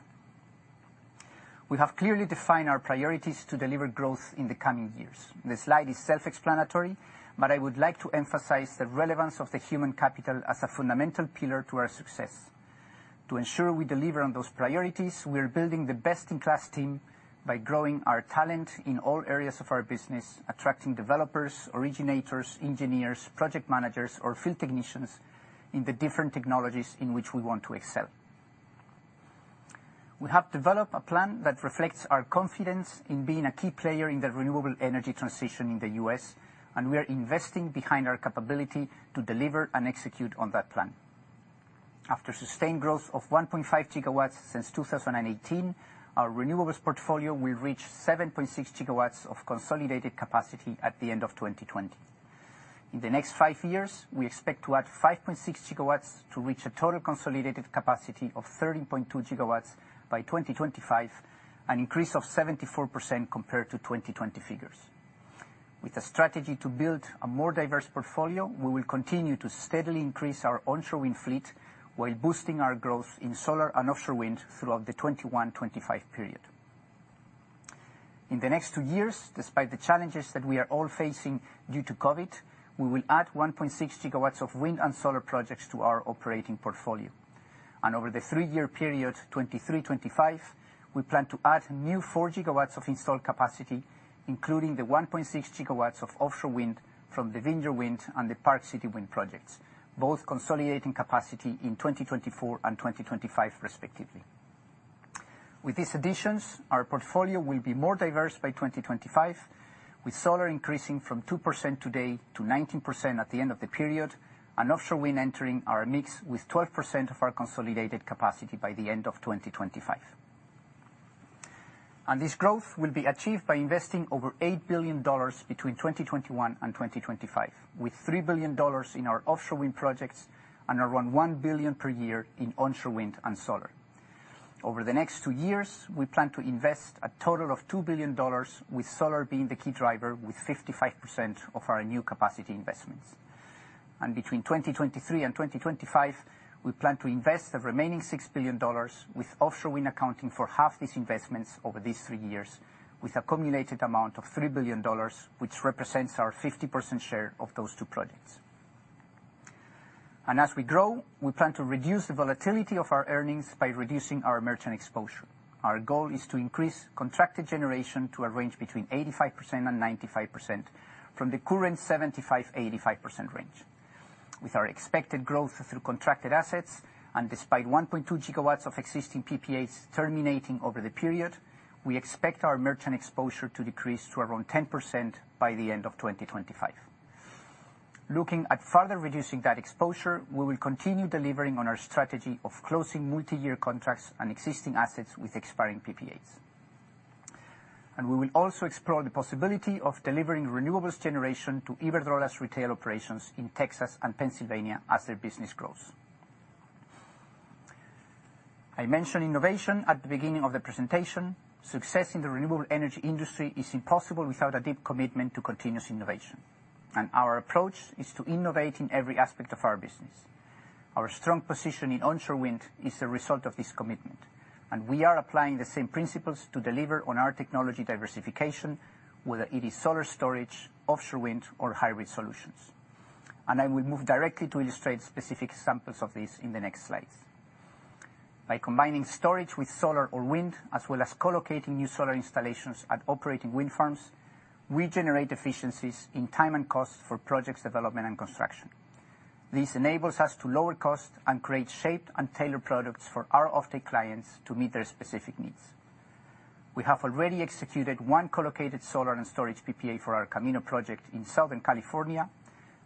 We have clearly defined our priorities to deliver growth in the coming years. The slide is self-explanatory. I would like to emphasize the relevance of the human capital as a fundamental pillar to our success. To ensure we deliver on those priorities, we're building the best-in-class team by growing our talent in all areas of our business, attracting developers, originators, engineers, project managers, or field technicians in the different technologies in which we want to excel. We have developed a plan that reflects our confidence in being a key player in the renewable energy transition in the U.S., and we are investing behind our capability to deliver and execute on that plan. After sustained growth of 1.5 GW since 2018, our renewables portfolio will reach 7.6 GW of consolidated capacity at the end of 2020. In the next five years, we expect to add 5.6 GW to reach a total consolidated capacity of 13.2 GW by 2025, an increase of 74% compared to 2020 figures. With a strategy to build a more diverse portfolio, we will continue to steadily increase our onshore wind fleet while boosting our growth in solar and offshore wind throughout the 2021-2025 period. In the next two years, despite the challenges that we are all facing due to COVID, we will add 1.6 GW of wind and solar projects to our operating portfolio. Over the three-year period, 2023-2025, we plan to add new 4 GW of installed capacity, including the 1.6 GW of offshore wind from the Vineyard Wind and the Park City Wind projects, both consolidating capacity in 2024 and 2025, respectively. With these additions, our portfolio will be more diverse by 2025, with solar increasing from 2% today to 19% at the end of the period, and offshore wind entering our mix with 12% of our consolidated capacity by the end of 2025. This growth will be achieved by investing over $8 billion between 2021 and 2025, with $3 billion in our offshore wind projects and around $1 billion per year in onshore wind and solar. Over the next two years, we plan to invest a total of $2 billion, with solar being the key driver with 55% of our new capacity investments. Between 2023 and 2025, we plan to invest the remaining $6 billion with offshore wind accounting for half these investments over these three years with a cumulated amount of $3 billion, which represents our 50% share of those two projects. As we grow, we plan to reduce the volatility of our earnings by reducing our merchant exposure. Our goal is to increase contracted generation to a range between 85% and 95% from the current 75%-85% range. With our expected growth through contracted assets and despite 1.2 GW of existing PPAs terminating over the period, we expect our merchant exposure to decrease to around 10% by the end of 2025. Looking at further reducing that exposure, we will continue delivering on our strategy of closing multi-year contracts on existing assets with expiring PPAs. We will also explore the possibility of delivering renewables generation to Iberdrola's retail operations in Texas and Pennsylvania as their business grows. I mentioned innovation at the beginning of the presentation. Success in the renewable energy industry is impossible without a deep commitment to continuous innovation, and our approach is to innovate in every aspect of our business. Our strong position in onshore wind is a result of this commitment, and we are applying the same principles to deliver on our technology diversification, whether it is solar storage, offshore wind, or hybrid solutions. I will move directly to illustrate specific examples of this in the next slides. By combining storage with solar or wind, as well as co-locating new solar installations at operating wind farms, we generate efficiencies in time and cost for projects' development and construction. This enables us to lower costs and create shaped and tailored products for our offtake clients to meet their specific needs. We have already executed one co-located solar and storage PPA for our Camino project in Southern California,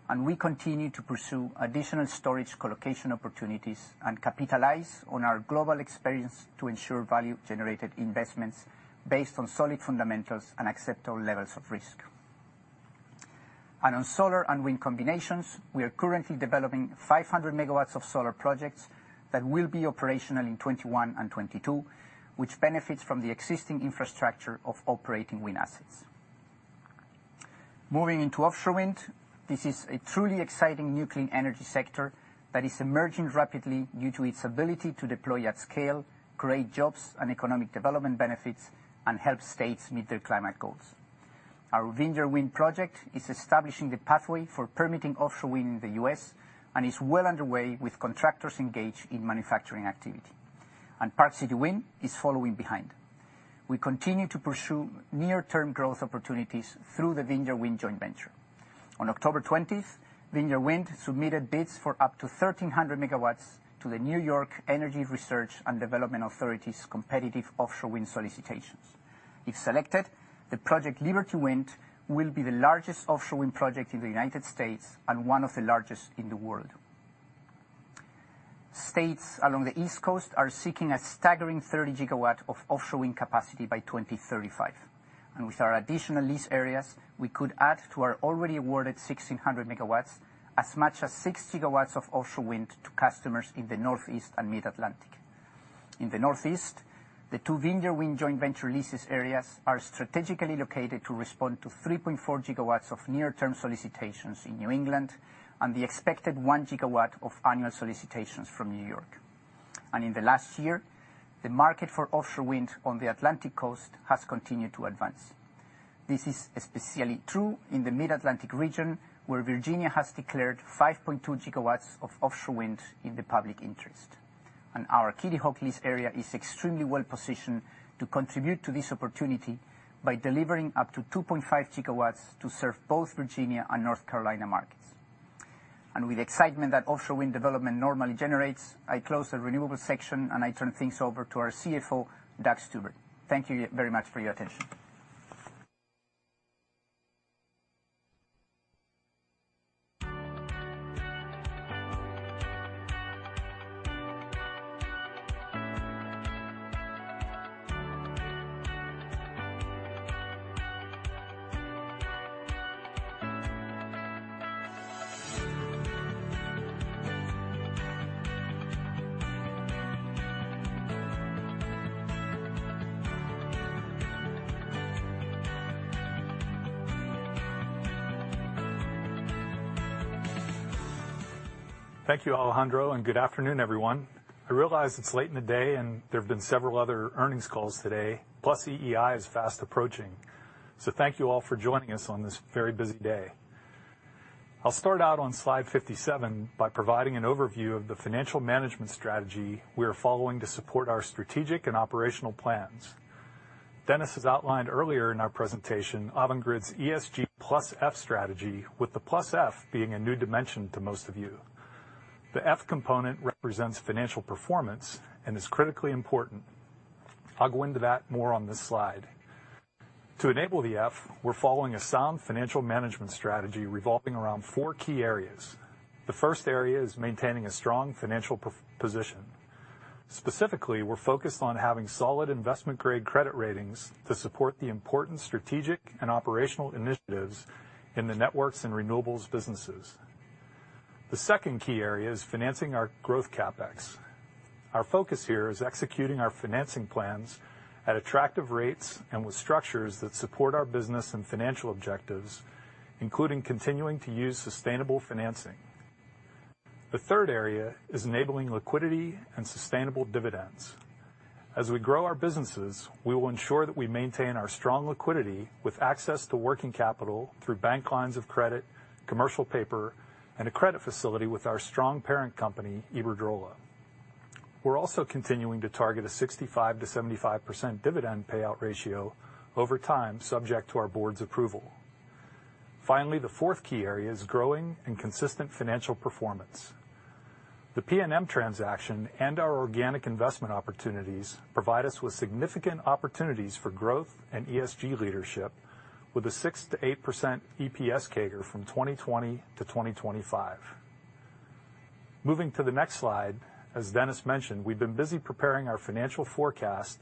and we continue to pursue additional storage co-location opportunities and capitalize on our global experience to ensure value-generated investments based on solid fundamentals and acceptable levels of risk. On solar and wind combinations, we are currently developing 500 MW of solar projects that will be operational in 2021 and 2022, which benefits from the existing infrastructure of operating wind assets. Moving into offshore wind, this is a truly exciting new clean energy sector that is emerging rapidly due to its ability to deploy at scale, create jobs and economic development benefits, and help states meet their climate goals. Our Vineyard Wind project is establishing the pathway for permitting offshore wind in the U.S. and is well underway, with contractors engaged in manufacturing activity, and Park City Wind is following behind. We continue to pursue near-term growth opportunities through the Vineyard Wind joint venture. On October 20th, Vineyard Wind submitted bids for up to 1,300 MW to the New York State Energy Research and Development Authority's competitive offshore wind solicitations. If selected, the project Liberty Wind will be the largest offshore wind project in the United States and one of the largest in the world. States along the East Coast are seeking a staggering 30 GW of offshore wind capacity by 2035. With our additional lease areas, we could add to our already awarded 1,600 MW as much as 6 GW of offshore wind to customers in the Northeast and Mid-Atlantic. In the Northeast, the two Vineyard Wind joint venture leases areas are strategically located to respond to 3.4 GW of near-term solicitations in New England and the expected 1 GW of annual solicitations from New York. In the last year, the market for offshore wind on the Atlantic coast has continued to advance. This is especially true in the Mid-Atlantic region, where Virginia has declared 5.2 GW of offshore wind in the public interest. Our Kitty Hawk lease area is extremely well-positioned to contribute to this opportunity by delivering up to 2.5 GW to serve both Virginia and North Carolina markets. With excitement that offshore wind development normally generates, I close the renewables section, and I turn things over to our CFO, Doug Stuver. Thank you very much for your attention. Thank you, Alejandro. Good afternoon, everyone. I realize it's late in the day, and there have been several other earnings calls today, +EEI is fast approaching, so thank you all for joining us on this very busy day. I'll start out on slide 57 by providing an overview of the financial management strategy we are following to support our strategic and operational plans. Dennis has outlined earlier in our presentation Avangrid's ESG+F strategy, with the +F being a new dimension to most of you. The F component represents financial performance and is critically important. I'll go into that more on this slide. To enable the F, we're following a sound financial management strategy revolving around four key areas. The first area is maintaining a strong financial position. Specifically, we're focused on having solid investment-grade credit ratings to support the important strategic and operational initiatives in the networks and renewables businesses. The second key area is financing our growth CapEx. Our focus here is executing our financing plans at attractive rates and with structures that support our business and financial objectives, including continuing to use sustainable financing. The third area is enabling liquidity and sustainable dividends. As we grow our businesses, we will ensure that we maintain our strong liquidity with access to working capital through bank lines of credit, commercial paper, and a credit facility with our strong parent company, Iberdrola. We're also continuing to target a 65%-75% dividend payout ratio over time, subject to our board's approval. Finally, the fourth key area is growing and consistent financial performance. The PNM transaction and our organic investment opportunities provide us with significant opportunities for growth and ESG leadership with a 6%-8% EPS CAGR from 2020 to 2025. Moving to the next slide, as Dennis mentioned, we've been busy preparing our financial forecast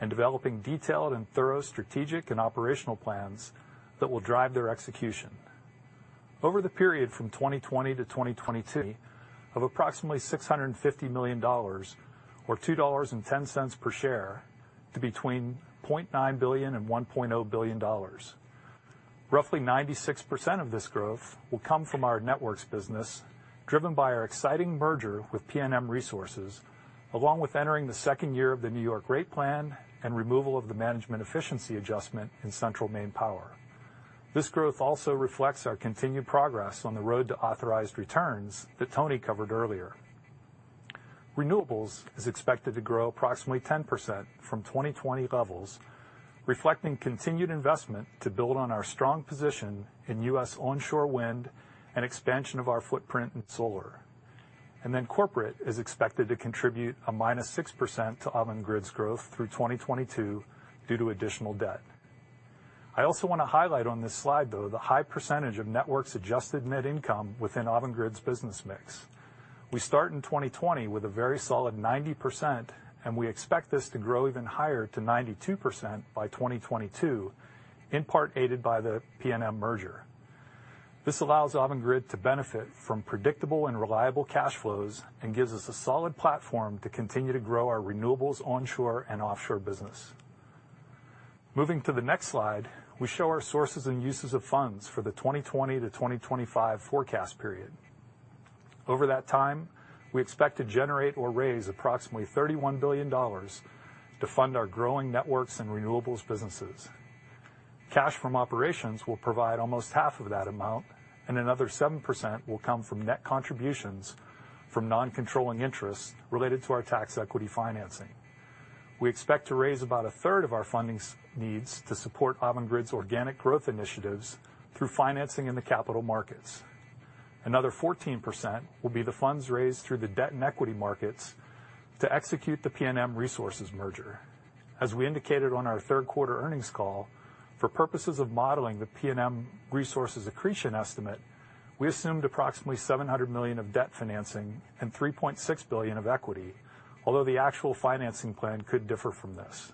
and developing detailed and thorough strategic and operational plans that will drive their execution. Over the period from 2020-2022, of approximately $650 million, or $2.10 per share, to between $0.9 billion and $1.0 billion. Roughly 96% of this growth will come from our Networks business, driven by our exciting merger with PNM Resources, along with entering the second year of the New York rate plan and removal of the management efficiency adjustment in Central Maine Power. This growth also reflects our continued progress on the road to authorized returns that Tony covered earlier. Renewables is expected to grow approximately 10% from 2020 levels, reflecting continued investment to build on our strong position in U.S. onshore wind and expansion of our footprint in solar. Corporate is expected to contribute a -6% to Avangrid's growth through 2022 due to additional debt. I also want to highlight on this slide, though, the high percentage of Networks adjusted net income within Avangrid's business mix. We start in 2020 with a very solid 90%, and we expect this to grow even higher to 92% by 2022, in part aided by the PNM merger. This allows Avangrid to benefit from predictable and reliable cash flows and gives us a solid platform to continue to grow our renewables onshore and offshore business. Moving to the next slide, we show our sources and uses of funds for the 2020-2025 forecast period. Over that time, we expect to generate or raise approximately $31 billion to fund our growing networks and renewables businesses. Cash from operations will provide almost half of that amount, and another 7% will come from net contributions from non-controlling interests related to our tax equity financing. We expect to raise about a third of our fundings needs to support Avangrid's organic growth initiatives through financing in the capital markets. Another 14% will be the funds raised through the debt and equity markets to execute the PNM Resources merger. As we indicated on our third quarter earnings call, for purposes of modeling the PNM Resources accretion estimate, we assumed approximately $700 million of debt financing and $3.6 billion of equity. The actual financing plan could differ from this.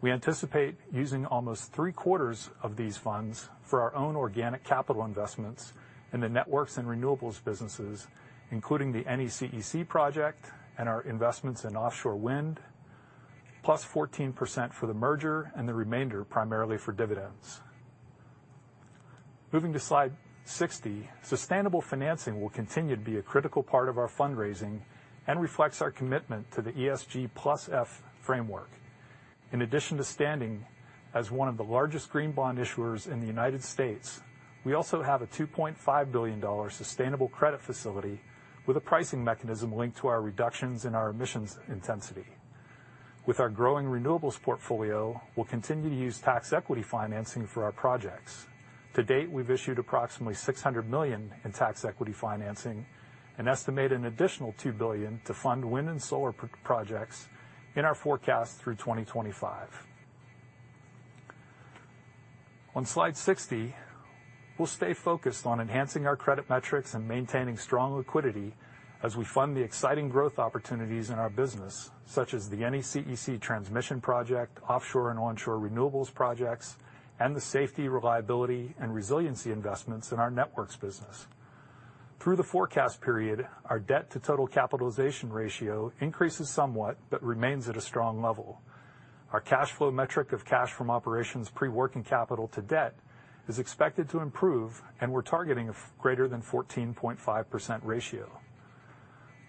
We anticipate using almost three-quarters of these funds for our own organic capital investments in the networks and renewables businesses, including the NECEC project and our investments in offshore wind, +14% for the merger and the remainder primarily for dividends. Moving to slide 60, sustainable financing will continue to be a critical part of our fundraising and reflects our commitment to the ESG+F framework. In addition to standing as one of the largest green bond issuers in the United States, we also have a $2.5 billion sustainable credit facility with a pricing mechanism linked to our reductions in our emissions intensity. With our growing renewables portfolio, we'll continue to use tax equity financing for our projects. To date, we've issued approximately $600 million in tax equity financing and estimate an additional $2 billion to fund wind and solar projects in our forecast through 2025. On slide 60, we'll stay focused on enhancing our credit metrics and maintaining strong liquidity as we fund the exciting growth opportunities in our business, such as the NECEC transmission project, offshore and onshore renewables projects, and the safety, reliability, and resiliency investments in our Networks business. Through the forecast period, our debt to total capitalization ratio increases somewhat but remains at a strong level. Our cash flow metric of cash from operations pre-working capital to debt is expected to improve, and we're targeting a greater than 14.5% ratio.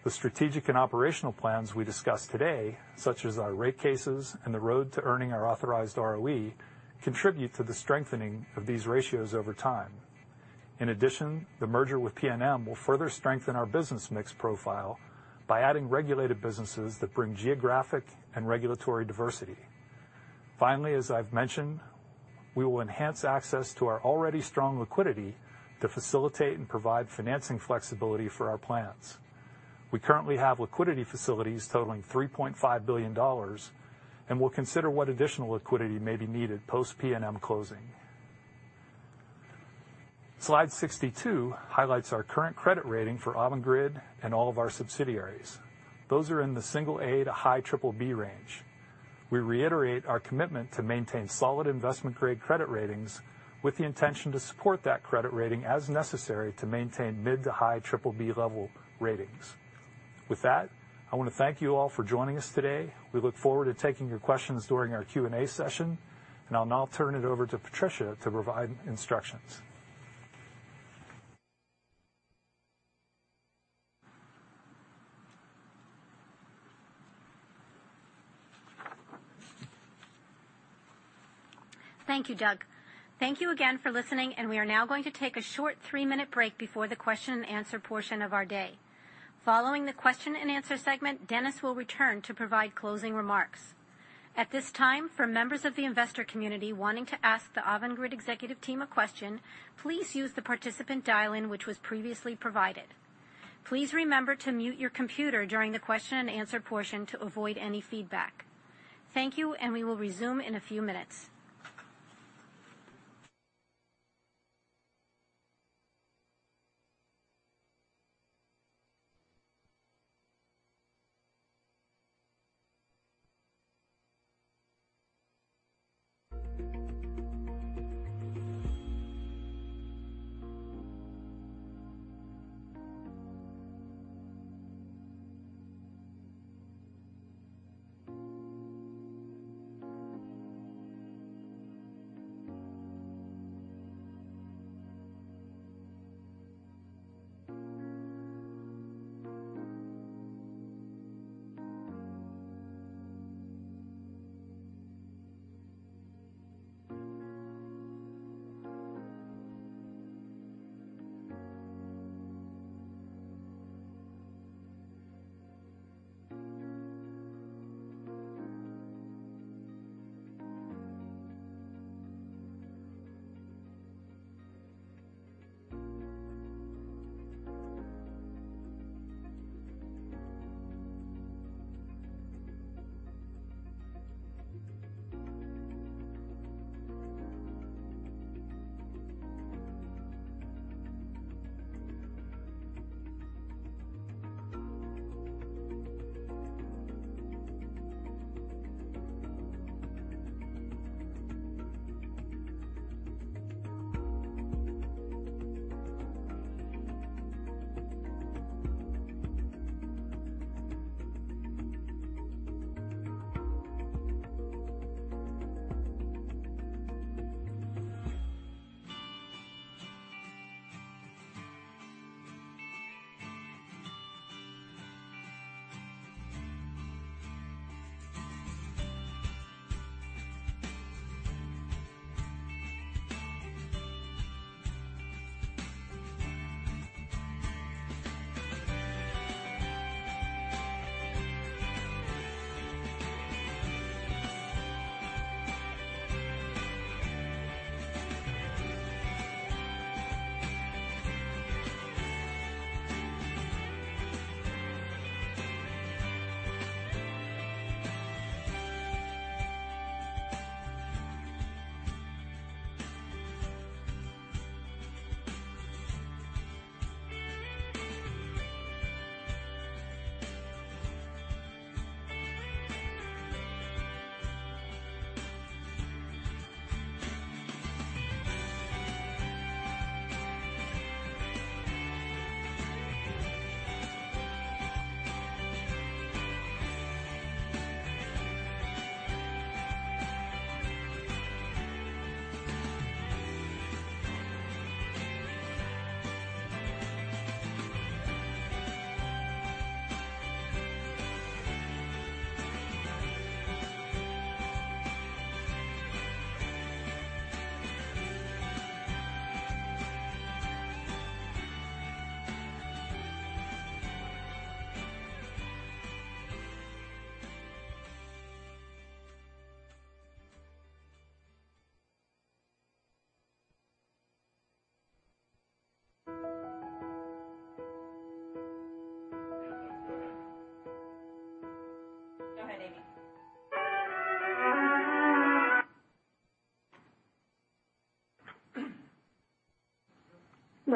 The strategic and operational plans we discussed today, such as our rate cases and the road to earning our authorized ROE, contribute to the strengthening of these ratios over time. In addition, the merger with PNM will further strengthen our business mix profile by adding regulated businesses that bring geographic and regulatory diversity. As I've mentioned, we will enhance access to our already strong liquidity to facilitate and provide financing flexibility for our plans. We currently have liquidity facilities totaling $3.5 billion, and we'll consider what additional liquidity may be needed post PNM closing. Slide 62 highlights our current credit rating for Avangrid and all of our subsidiaries. Those are in the single A to high BBB range. We reiterate our commitment to maintain solid investment-grade credit ratings with the intention to support that credit rating as necessary to maintain mid to high BBB level ratings. With that, I want to thank you all for joining us today. We look forward to taking your questions during our Q&A session. I'll now turn it over to Patricia to provide instructions. Thank you, Doug. Thank you again for listening. We are now going to take a short three-minute break before the question and answer portion of our day. Following the question and answer segment, Dennis will return to provide closing remarks. At this time, for members of the investor community wanting to ask the Avangrid executive team a question, please use the participant dial-in, which was previously provided. Please remember to mute your computer during the question and answer portion to avoid any feedback. Thank you. We will resume in a few minutes.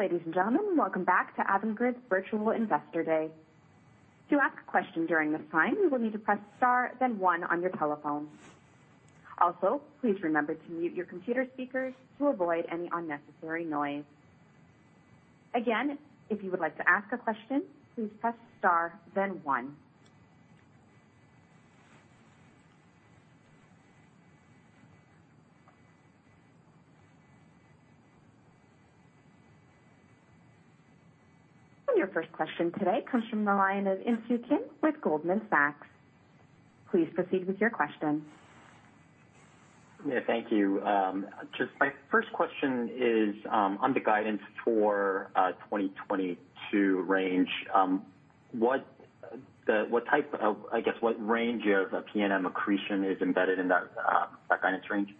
Go ahead, Amy. Ladies and gentlemen, welcome back to Avangrid's Virtual Investor Day. Your first question today comes from the line of Insoo Kim with Goldman Sachs. Please proceed with your question. Yeah, thank you. Just my first question is on the guidance for 2022 range. I guess, what range of PNM accretion is embedded in that guidance range?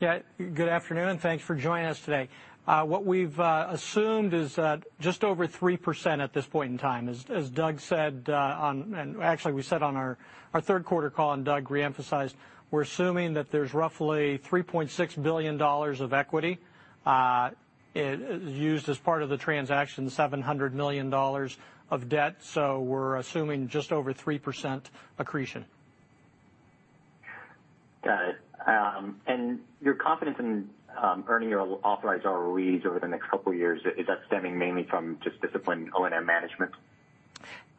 Good afternoon. Thanks for joining us today. What we've assumed is just over 3% at this point in time. As Doug said on, and actually we said on our third quarter call, and Doug re-emphasized, we're assuming that there's roughly $3.6 billion of equity used as part of the transaction, $700 million of debt, so we're assuming just over 3% accretion. Got it. Your confidence in earning your authorized ROEs over the next couple of years, is that stemming mainly from just disciplined O&M management?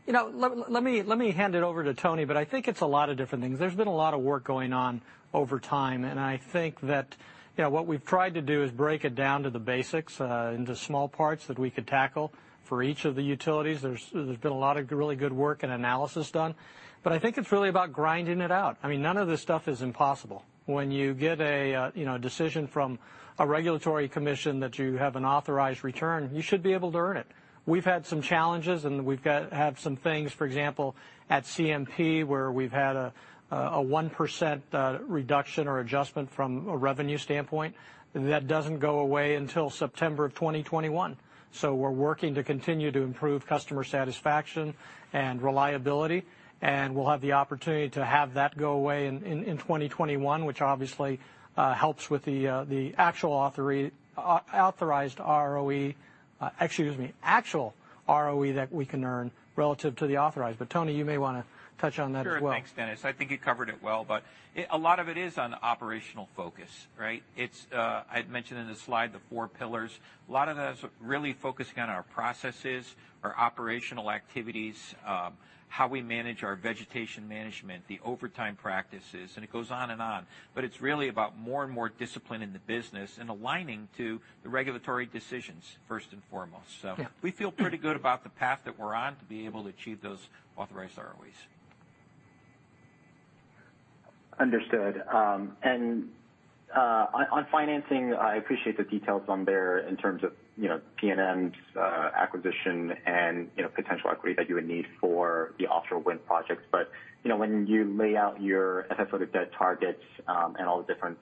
Let me hand it over to Tony, but I think it's a lot of different things. There's been a lot of work going on over time, and I think that what we've tried to do is break it down to the basics, into small parts that we could tackle for each of the utilities. There's been a lot of really good work and analysis done, but I think it's really about grinding it out. None of this stuff is impossible. When you get a decision from a regulatory commission that you have an authorized return, you should be able to earn it. We've had some challenges, and we've had some things, for example, at CMP, where we've had a 1% reduction or adjustment from a revenue standpoint. That doesn't go away until September of 2021. We're working to continue to improve customer satisfaction and reliability, and we'll have the opportunity to have that go away in 2021, which obviously helps with the actual ROE that we can earn relative to the authorized. Tony, you may want to touch on that as well. Sure. Thanks, Dennis. I think you covered it well, but a lot of it is on operational focus, right? I mentioned in the slide the four pillars. A lot of that is really focusing on our processes, our operational activities, how we manage our vegetation management, the overtime practices, and it goes on and on. It's really about more and more discipline in the business and aligning to the regulatory decisions first and foremost. Yeah. We feel pretty good about the path that we're on to be able to achieve those authorized ROEs. Understood. On financing, I appreciate the details on there in terms of PNM's acquisition and potential equity that you would need for the offshore wind projects. When you lay out your asset or debt targets, and all the different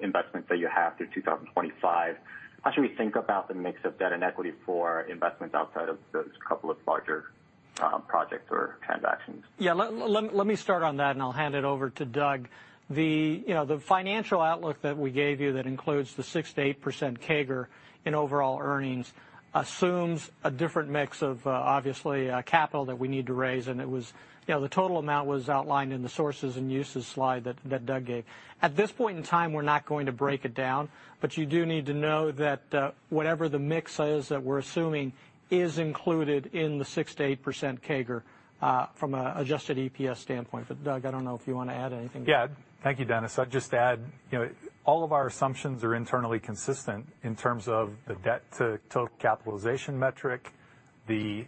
investments that you have through 2025, how should we think about the mix of debt and equity for investments outside of those couple of larger projects or transactions? Let me start on that, and I'll hand it over to Doug. The financial outlook that we gave you that includes the 6%-8% CAGR in overall earnings assumes a different mix of, obviously, capital that we need to raise. The total amount was outlined in the sources and uses slide that Doug gave. At this point in time, we're not going to break it down, but you do need to know that whatever the mix is that we're assuming is included in the 6%-8% CAGR from an adjusted EPS standpoint. Doug, I don't know if you want to add anything. Yeah. Thank you, Dennis. I'd just add, all of our assumptions are internally consistent in terms of the debt-to-total capitalization metric, the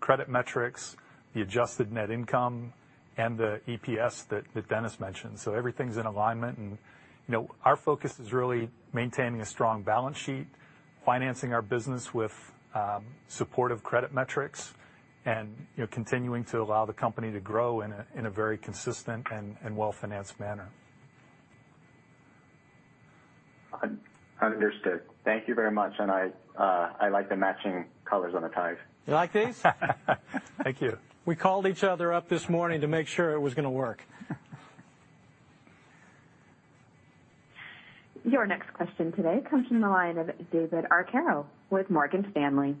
credit metrics, the adjusted net income, and the EPS that Dennis mentioned. Everything's in alignment, and our focus is really maintaining a strong balance sheet, financing our business with supportive credit metrics, and continuing to allow the company to grow in a very consistent and well-financed manner. Understood. Thank you very much. I like the matching colors on the ties. You like these? Thank you. We called each other up this morning to make sure it was going to work. Your next question today comes from the line of David Arcaro with Morgan Stanley.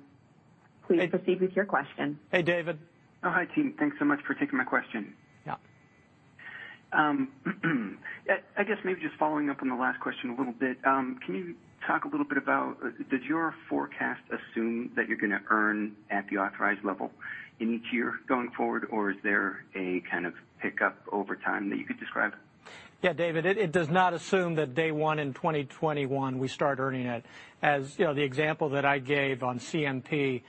Please proceed with your question. Hey, David. Oh, hi, team. Thanks so much for taking my question. Yeah. I guess maybe just following up on the last question a little bit. Can you talk a little bit about, does your forecast assume that you're going to earn at the authorized level in each year going forward, or is there a kind of pickup over time that you could describe? David, it does not assume that day one in 2021, we start earning it. As the example that I gave on CMP,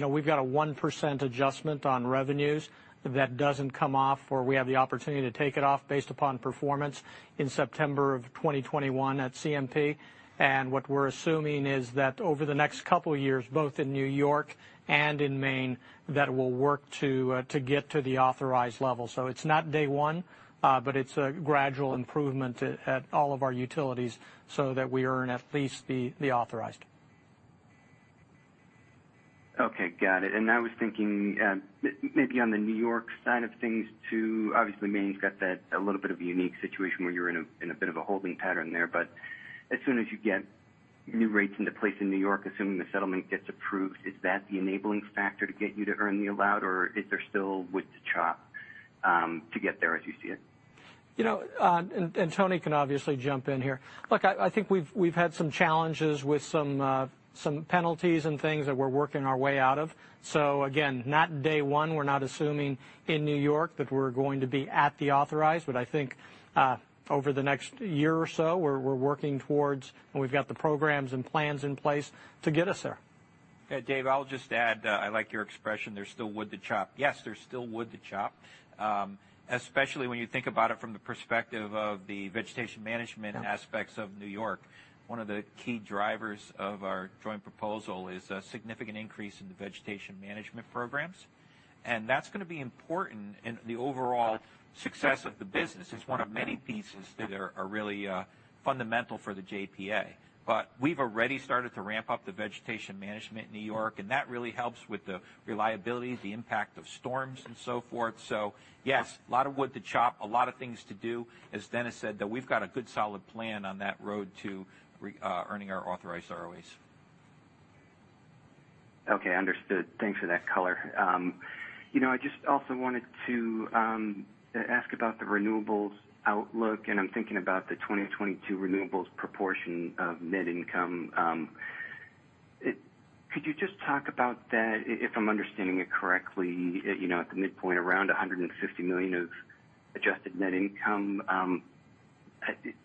we've got a 1% adjustment on revenues that doesn't come off, or we have the opportunity to take it off based upon performance in September of 2021 at CMP. What we're assuming is that over the next couple of years, both in New York and in Maine, that we'll work to get to the authorized level. It's not day one, but it's a gradual improvement at all of our utilities so that we earn at least the authorized. Okay, got it. I was thinking, maybe on the New York side of things, too, obviously Maine's got that a little bit of a unique situation where you're in a bit of a holding pattern there. As soon as you get new rates into place in New York, assuming the settlement gets approved, is that the enabling factor to get you to earn the allowed, or is there still wood to chop to get there as you see it? Tony can obviously jump in here. Look, I think we've had some challenges with some penalties and things that we're working our way out of. Again, not day one, we're not assuming in New York that we're going to be at the authorized, but I think, over the next year or so, we're working towards, and we've got the programs and plans in place to get us there. Yeah, Dave, I'll just add, I like your expression, there's still wood to chop. Yes, there's still wood to chop, especially when you think about it from the perspective of the vegetation management aspects of New York. One of the key drivers of our joint proposal is a significant increase in the vegetation management programs, and that's going to be important in the overall success of the business. It's one of many pieces that are really fundamental for the JPA. We've already started to ramp up the vegetation management in New York, and that really helps with the reliability, the impact of storms, and so forth. Yes, a lot of wood to chop, a lot of things to do. As Dennis said, though, we've got a good, solid plan on that road to earning our authorized ROEs. Okay, understood. Thanks for that color. I just also wanted to ask about the Renewables outlook, and I'm thinking about the 2022 Renewables proportion of net income. Could you just talk about that, if I'm understanding it correctly, at the midpoint, around $150 million of adjusted net income,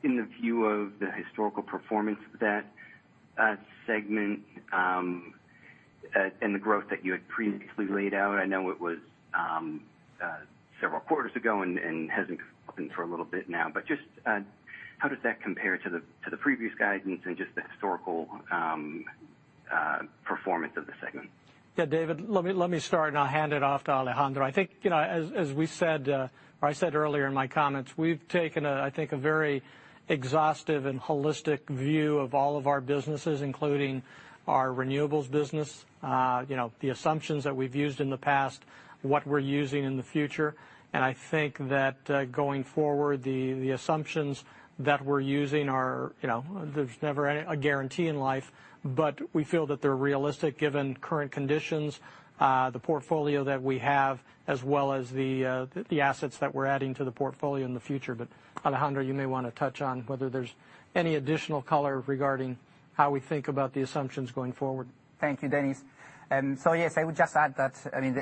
in the view of the historical performance of that segment, and the growth that you had previously laid out? I know it was several quarters ago and hasn't come up in for a little bit now, but just how does that compare to the previous guidance and just the historical performance of the segment? Yeah, David, let me start and I'll hand it off to Alejandro. I think, as I said earlier in my comments, we've taken, I think, a very exhaustive and holistic view of all of our businesses, including our renewables business. The assumptions that we've used in the past, what we're using in the future, and I think that going forward, the assumptions that we're using are. There's never a guarantee in life, but we feel that they're realistic given current conditions, the portfolio that we have, as well as the assets that we're adding to the portfolio in the future. Alejandro, you may want to touch on whether there's any additional color regarding how we think about the assumptions going forward. Thank you, Dennis. Yes, I would just add that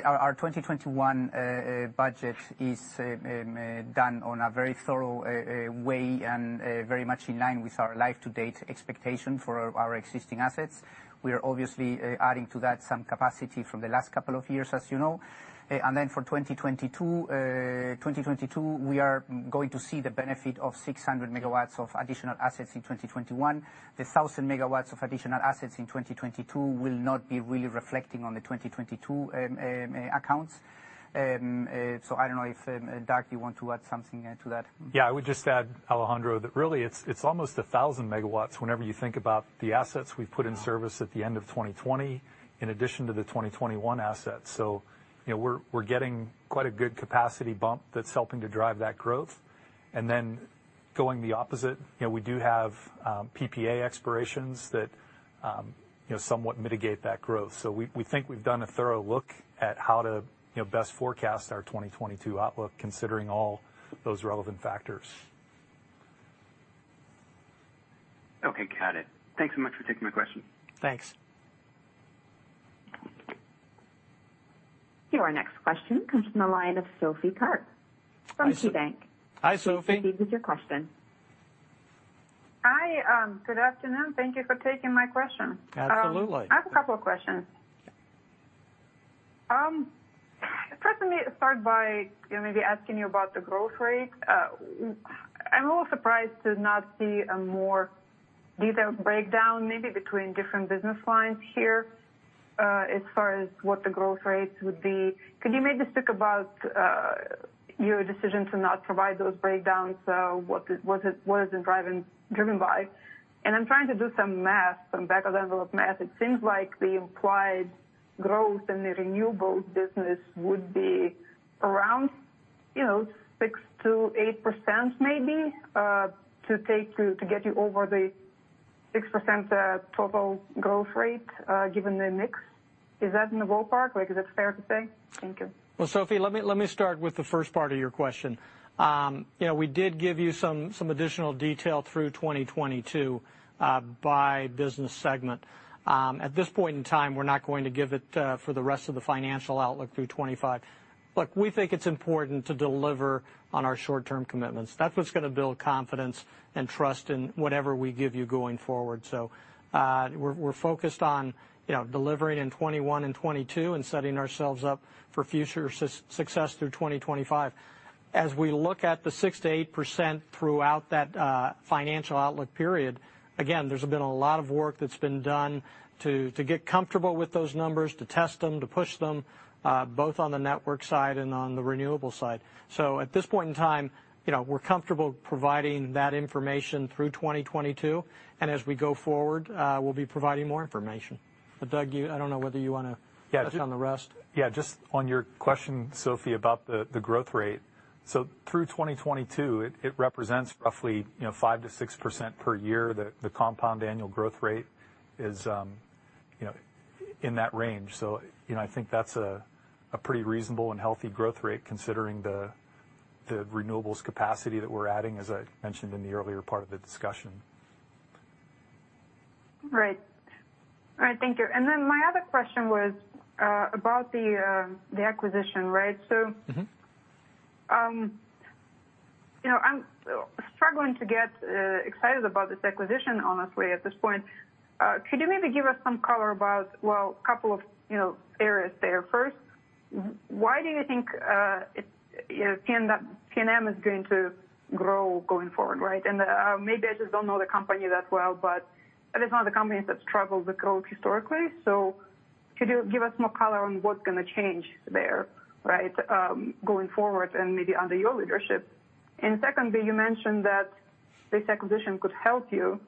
our 2021 budget is done on a very thorough way and very much in line with our life-to-date expectation for our existing assets. We are obviously adding to that some capacity from the last couple of years, as you know. Then for 2022, we are going to see the benefit of 600 MW of additional assets in 2021. The 1,000 MW of additional assets in 2022 will not be really reflecting on the 2022 accounts. I don't know if, Doug, you want to add something to that. Yeah, I would just add, Alejandro, that really, it's almost 1,000 MW whenever you think about the assets we've put in service at the end of 2020, in addition to the 2021 assets. We're getting quite a good capacity bump that's helping to drive that growth. Going the opposite, we do have PPA expirations that somewhat mitigate that growth. We think we've done a thorough look at how to best forecast our 2022 outlook, considering all those relevant factors. Okay, got it. Thanks so much for taking my question. Thanks. Your next question comes from the line of Sophie Karp from KeyBank. Hi, Sophie. You may proceed with your question. Hi. Good afternoon. Thank you for taking my question. Absolutely. I have a couple of questions. Start by maybe asking you about the growth rate. I'm a little surprised to not see a more detailed breakdown, maybe between different business lines here, as far as what the growth rates would be. Could you maybe speak about your decision to not provide those breakdowns? What is it driven by? I'm trying to do some math, some back-of-the-envelope math. It seems like the implied growth in the renewables business would be around 6%-8%, maybe, to get you over the 6% total growth rate, given the mix. Is that in the ballpark, like is that fair to say? Thank you. Well, Sophie, let me start with the first part of your question. We did give you some additional detail through 2022 by business segment. At this point in time, we're not going to give it for the rest of the financial outlook through 2025. Look, we think it's important to deliver on our short-term commitments. That's what's going to build confidence and trust in whatever we give you going forward. We're focused on delivering in 2021 and 2022 and setting ourselves up for future success through 2025. As we look at the 6%-8% throughout that financial outlook period, again, there's been a lot of work that's been done to get comfortable with those numbers, to test them, to push them, both on the network side and on the renewable side. At this point in time, we're comfortable providing that information through 2022, and as we go forward, we'll be providing more information. Doug, I don't know whether you want to touch on the rest. Yeah, just on your question, Sophie, about the growth rate. Through 2022, it represents roughly 5%-6% per year. The compound annual growth rate is in that range. I think that's a pretty reasonable and healthy growth rate, considering the renewables capacity that we're adding, as I mentioned in the earlier part of the discussion. Right. All right, thank you. My other question was about the acquisition, right? I'm struggling to get excited about this acquisition, honestly, at this point. Could you maybe give us some color about, well, a couple of areas there? First, why do you think PNM is going to grow going forward, right? Maybe I just don't know the company that well, but it is one of the companies that struggled with growth historically. Could you give us more color on what's going to change there, right, going forward and maybe under your leadership? Secondly, you mentioned that this acquisition could help you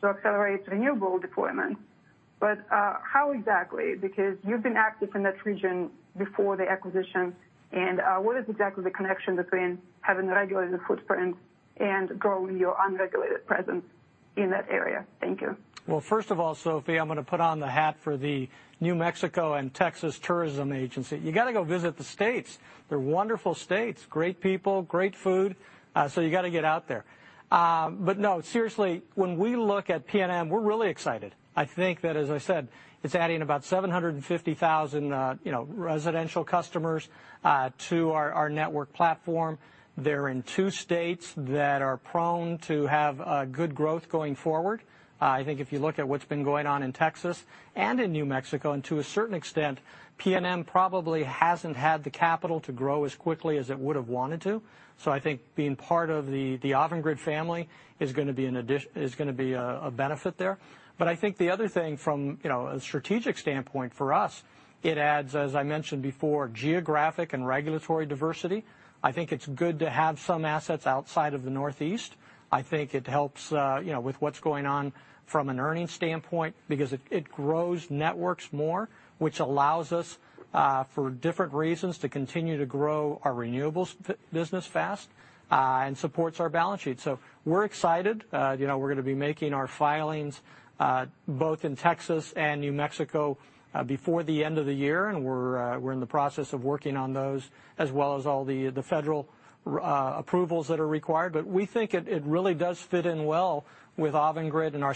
to accelerate renewable deployment. How exactly? Because you've been active in that region before the acquisition, and what is exactly the connection between having a regulated footprint and growing your unregulated presence in that area? Thank you. First of all, Sophie, I'm going to put on the hat for the New Mexico and Texas tourism agency. You got to go visit the states. They're wonderful states, great people, great food, so you got to get out there. No, seriously, when we look at PNM, we're really excited. I think that, as I said, it's adding about 750,000 residential customers to our network platform. They're in two states that are prone to have good growth going forward. I think if you look at what's been going on in Texas and in New Mexico, and to a certain extent PNM probably hasn't had the capital to grow as quickly as it would've wanted to. I think being part of the Avangrid family is going to be a benefit there. I think the other thing from a strategic standpoint for us, it adds, as I mentioned before, geographic and regulatory diversity. I think it's good to have some assets outside of the Northeast. I think it helps with what's going on from an earnings standpoint because it grows Networks more, which allows us for different reasons, to continue to grow our Renewables business fast, and supports our balance sheet. We're excited. We're going to be making our filings, both in Texas and New Mexico, before the end of the year, and we're in the process of working on those, as well as all the federal approvals that are required. We think it really does fit in well with Avangrid and our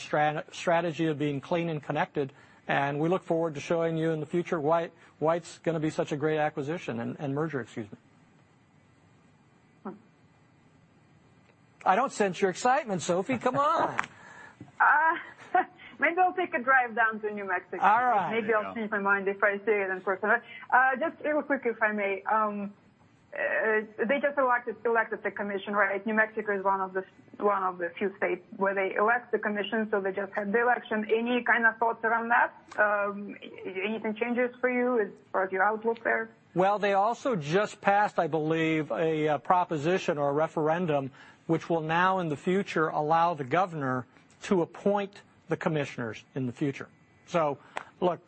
strategy of being clean and connected, and we look forward to showing you in the future why it's going to be such a great merger. I don't sense your excitement, Sophie. Come on. Maybe I'll take a drive down to New Mexico. All right. Maybe I'll change my mind if I see it in person. Just real quick, if I may. They just elected the commission, right? New Mexico is one of the few states where they elect the commission, so they just had the election. Any kind of thoughts around that? Anything changes for you as far as your outlook there? They also just passed, I believe, a proposition or a referendum, which will now in the future allow the governor to appoint the commissioners in the future. Look,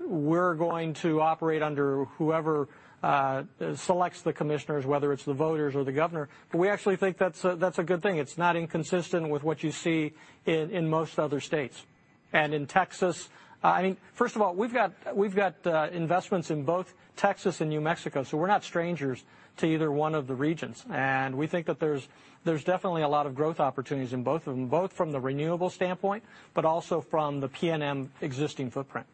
we're going to operate under whoever selects the commissioners, whether it's the voters or the governor, but we actually think that's a good thing. It's not inconsistent with what you see in most other states. In Texas. First of all, we've got investments in both Texas and New Mexico, so we're not strangers to either one of the regions. We think that there's definitely a lot of growth opportunities in both of them, both from the renewable standpoint, but also from the PNM existing footprint.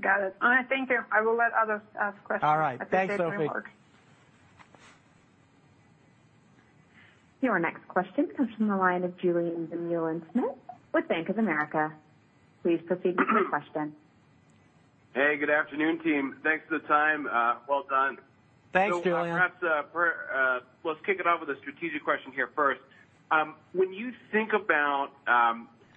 Got it. All right, thank you. I will let others ask questions. All right. Thanks, Sophie. Appreciate your work. Your next question comes from the line of Julien Dumoulin-Smith with Bank of America. Please proceed with your question. Hey, good afternoon, team. Thanks for the time. Well done. Thanks, Julien. Perhaps let's kick it off with a strategic question here first. When you think about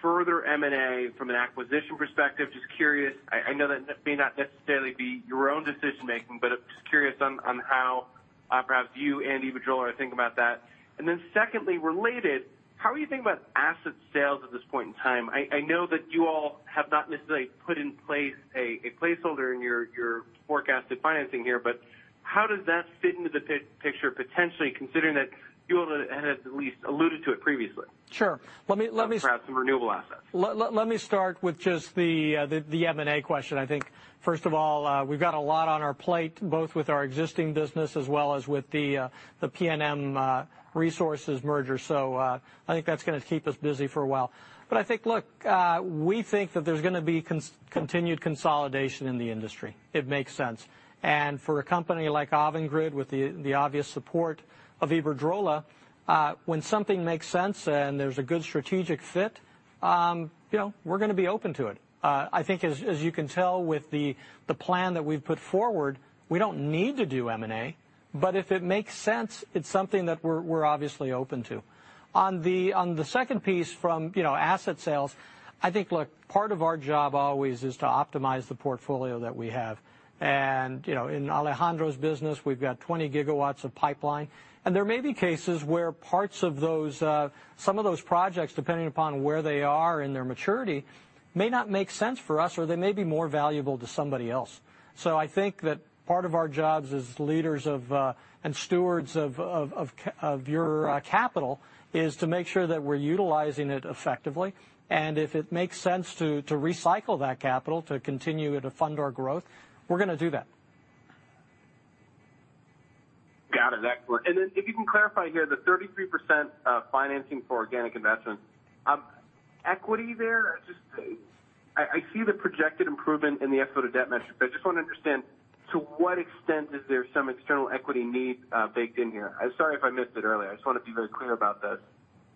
further M&A from an acquisition perspective, just curious, I know that may not necessarily be your own decision-making, but just curious on how perhaps you and Iberdrola think about that. Secondly, related, how are you thinking about asset sales at this point in time? I know that you all have not necessarily put in place a placeholder in your forecasted financing here, but how does that fit into the picture potentially, considering that you all had at least alluded to it previously? Sure. Perhaps some renewable assets. Let me start with just the M&A question. I think first of all, we've got a lot on our plate, both with our existing business as well as with the PNM Resources merger. I think that's going to keep us busy for a while. I think, look, we think that there's going to be continued consolidation in the industry. It makes sense. For a company like Avangrid, with the obvious support of Iberdrola, when something makes sense and there's a good strategic fit, we're going to be open to it. I think as you can tell with the plan that we've put forward, we don't need to do M&A, but if it makes sense, it's something that we're obviously open to. On the second piece from asset sales, I think, look, part of our job always is to optimize the portfolio that we have. In Alejandro's business, we've got 20 GW of pipeline, and there may be cases where some of those projects, depending upon where they are in their maturity, may not make sense for us, or they may be more valuable to somebody else. I think that part of our jobs as leaders of, and stewards of your capital is to make sure that we're utilizing it effectively, and if it makes sense to recycle that capital to continue to fund our growth, we're going to do that. Got it. Excellent. If you can clarify here, the 33% financing for organic investments, equity there? I see the projected improvement in the FFO to debt metric. I just want to understand to what extent is there some external equity need baked in here? I'm sorry if I missed it earlier. I just want to be very clear about that.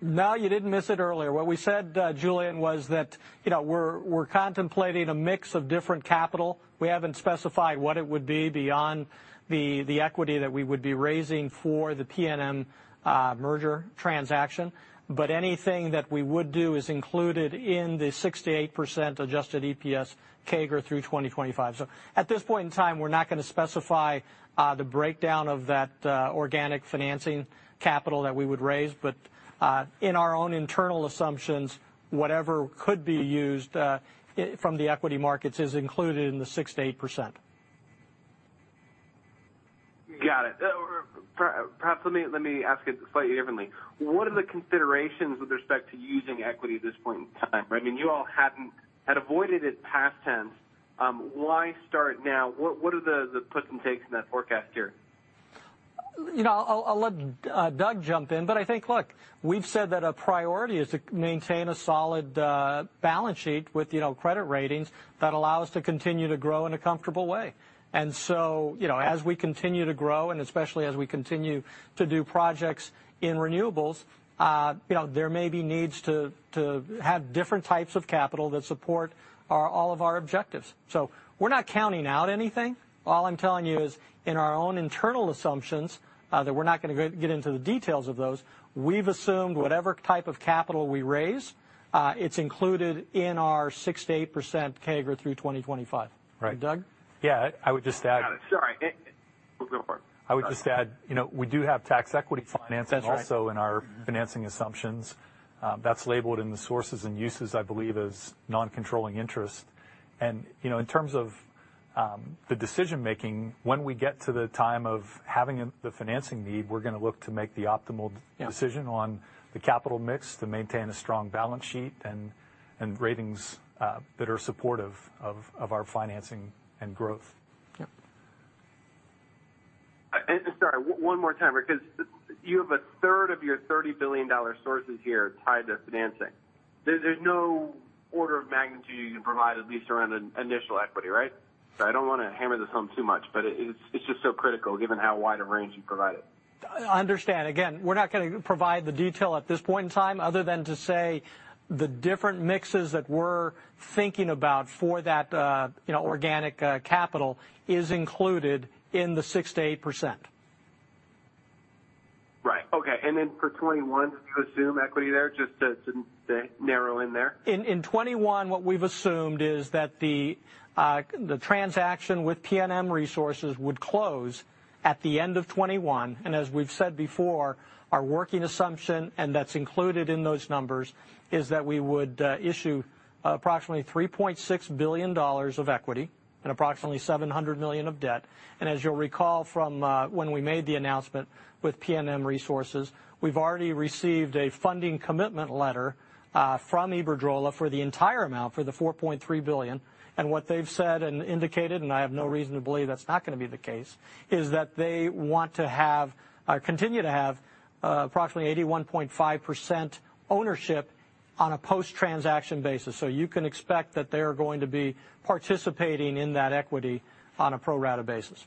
No, you didn't miss it earlier. What we said, Julien, was that we're contemplating a mix of different capital. We haven't specified what it would be beyond the equity that we would be raising for the PNM merger transaction. Anything that we would do is included in the 6%-8% adjusted EPS CAGR through 2025. At this point in time, we're not going to specify the breakdown of that organic financing capital that we would raise, but in our own internal assumptions, whatever could be used from the equity markets is included in the 6%-8%. Got it. Perhaps let me ask it slightly differently. What are the considerations with respect to using equity at this point in time? You all had avoided it past tense. Why start now? What are the puts and takes in that forecast here? I'll let Doug jump in, but I think, look, we've said that a priority is to maintain a solid balance sheet with credit ratings that allow us to continue to grow in a comfortable way. As we continue to grow, and especially as we continue to do projects in renewables, there may be needs to have different types of capital that support all of our objectives. We're not counting out anything. All I'm telling you is, in our own internal assumptions, that we're not going to get into the details of those, we've assumed whatever type of capital we raise, it's included in our 6%-8% CAGR through 2025. Right. Doug? Yeah, I would just add- Got it. Sorry. Go for it. I would just add, we do have tax equity financing- That's right. also in our financing assumptions. That's labeled in the sources and uses, I believe, as non-controlling interest. In terms of the decision-making, when we get to the time of having the financing need, we're going to look to make the optimal decision on the capital mix to maintain a strong balance sheet and ratings that are supportive of our financing and growth. Yep. Just sorry, one more time, because you have 1/3 of your $30 billion sources here tied to financing. There's no order of magnitude you can provide, at least around the initial equity, right? I don't want to hammer this home too much, but it's just so critical given how wide a range you provided. Understand. We're not going to provide the detail at this point in time, other than to say the different mixes that we're thinking about for that organic capital is included in the 6%-8%. Right. Okay. Then for 2021, to assume equity there, just to narrow in there? In 2021, what we've assumed is that the transaction with PNM Resources would close at the end of 2021. As we've said before, our working assumption, and that's included in those numbers, is that we would issue approximately $3.6 billion of equity and approximately $700 million of debt. As you'll recall from when we made the announcement with PNM Resources, we've already received a funding commitment letter from Iberdrola for the entire amount, for the $4.3 billion. What they've said and indicated, and I have no reason to believe that's not going to be the case, is that they want to continue to have approximately 81.5% ownership on a post-transaction basis. You can expect that they are going to be participating in that equity on a pro rata basis.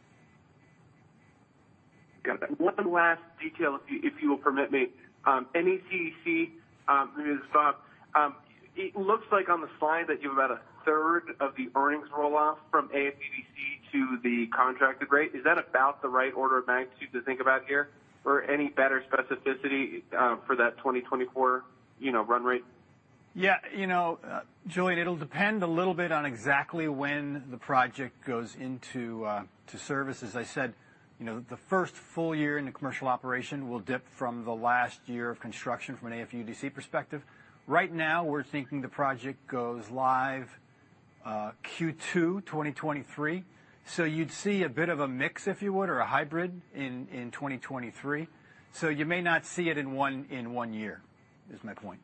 Got that. One last detail, if you will permit me. NECEC, it looks like on the slide that you have about a third of the earnings roll-off from AFUDC to the contracted rate. Is that about the right order of magnitude to think about here? Any better specificity for that 2024 run rate? Yeah. Julien, it'll depend a little bit on exactly when the project goes into service. As I said, the first full year in the commercial operation will dip from the last year of construction from an AFUDC perspective. Right now, we're thinking the project goes live Q2 2023. You'd see a bit of a mix, if you would, or a hybrid in 2023. You may not see it in one year, is my point.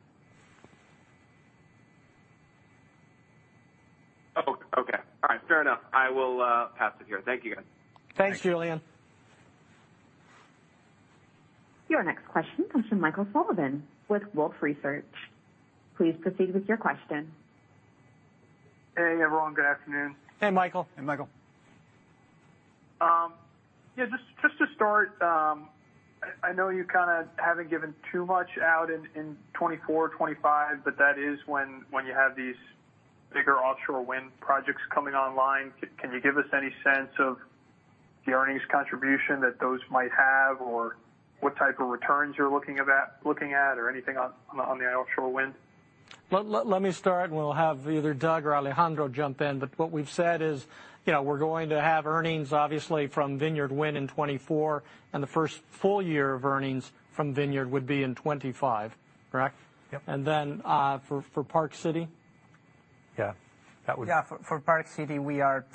Okay. All right. Fair enough. I will pass it here. Thank you, guys. Thanks, Julien. Your next question comes from Michael Sullivan with Wolfe Research. Please proceed with your question. Hey, everyone. Good afternoon. Hey, Michael. Hey, Michael. Yeah, just to start, I know you kind of haven't given too much out in 2024, 2025, but that is when you have these bigger offshore wind projects coming online. Can you give us any sense of the earnings contribution that those might have, or what type of returns you're looking at, or anything on the offshore wind? Let me start, we'll have either Doug or Alejandro jump in. What we've said is we're going to have earnings, obviously, from Vineyard Wind in 2024, the first full year of earnings from Vineyard would be in 2025. Correct? Yep. For Park City? Yeah. Yeah, for Park City,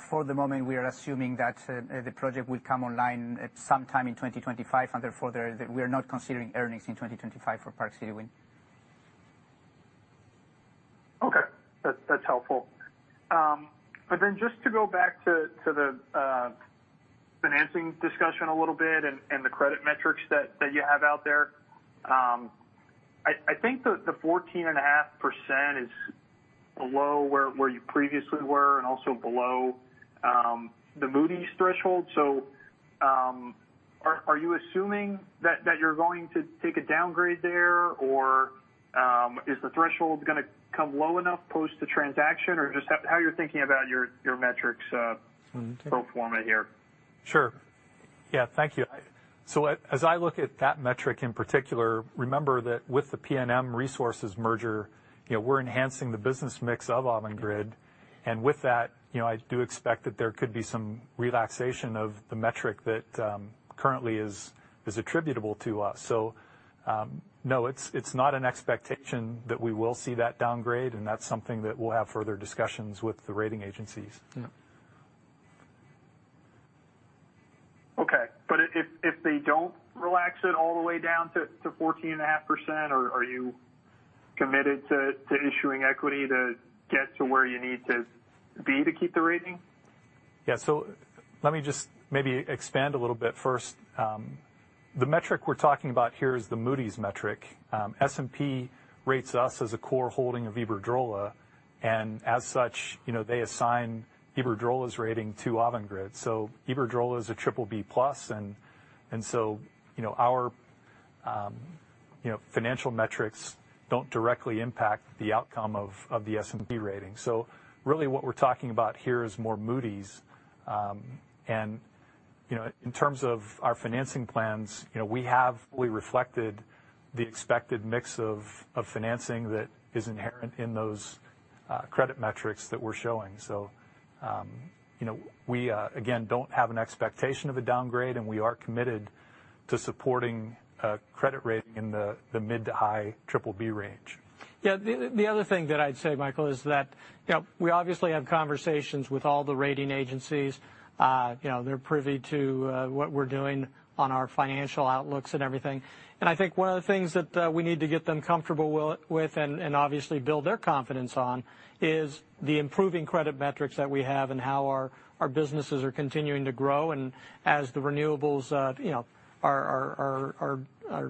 for the moment, we are assuming that the project will come online at some time in 2025. Therefore, we are not considering earnings in 2025 for Park City Wind. Okay. That's helpful. Just to go back to the financing discussion a little bit and the credit metrics that you have out there, I think the 14.5% is below where you previously were and also below the Moody's threshold. Are you assuming that you're going to take a downgrade there, or is the threshold going to come low enough post the transaction, or just how you're thinking about your metrics pro forma here? Sure. Yeah, thank you. As I look at that metric in particular, remember that with the PNM Resources merger, we're enhancing the business mix of Avangrid. With that, I do expect that there could be some relaxation of the metric that currently is attributable to us. No, it's not an expectation that we will see that downgrade, and that's something that we'll have further discussions with the rating agencies. Yeah. Okay. If they don't relax it all the way down to 14.5%, are you committed to issuing equity to get to where you need to be to keep the rating? Yeah. Let me just maybe expand a little bit first. The metric we're talking about here is the Moody's metric. S&P rates us as a core holding of Iberdrola, and as such, they assign Iberdrola's rating to Avangrid. Iberdrola is a BBB+, and so our financial metrics don't directly impact the outcome of the S&P rating. Really what we're talking about here is more Moody's. In terms of our financing plans we have fully reflected the expected mix of financing that is inherent in those credit metrics that we're showing. We, again, don't have an expectation of a downgrade, and we are committed to supporting a credit rating in the mid to high BBB range. Yeah. The other thing that I'd say, Michael, is that we obviously have conversations with all the rating agencies. They're privy to what we're doing on our financial outlooks and everything. I think one of the things that we need to get them comfortable with, and obviously build their confidence on, is the improving credit metrics that we have and how our businesses are continuing to grow. As the renewables are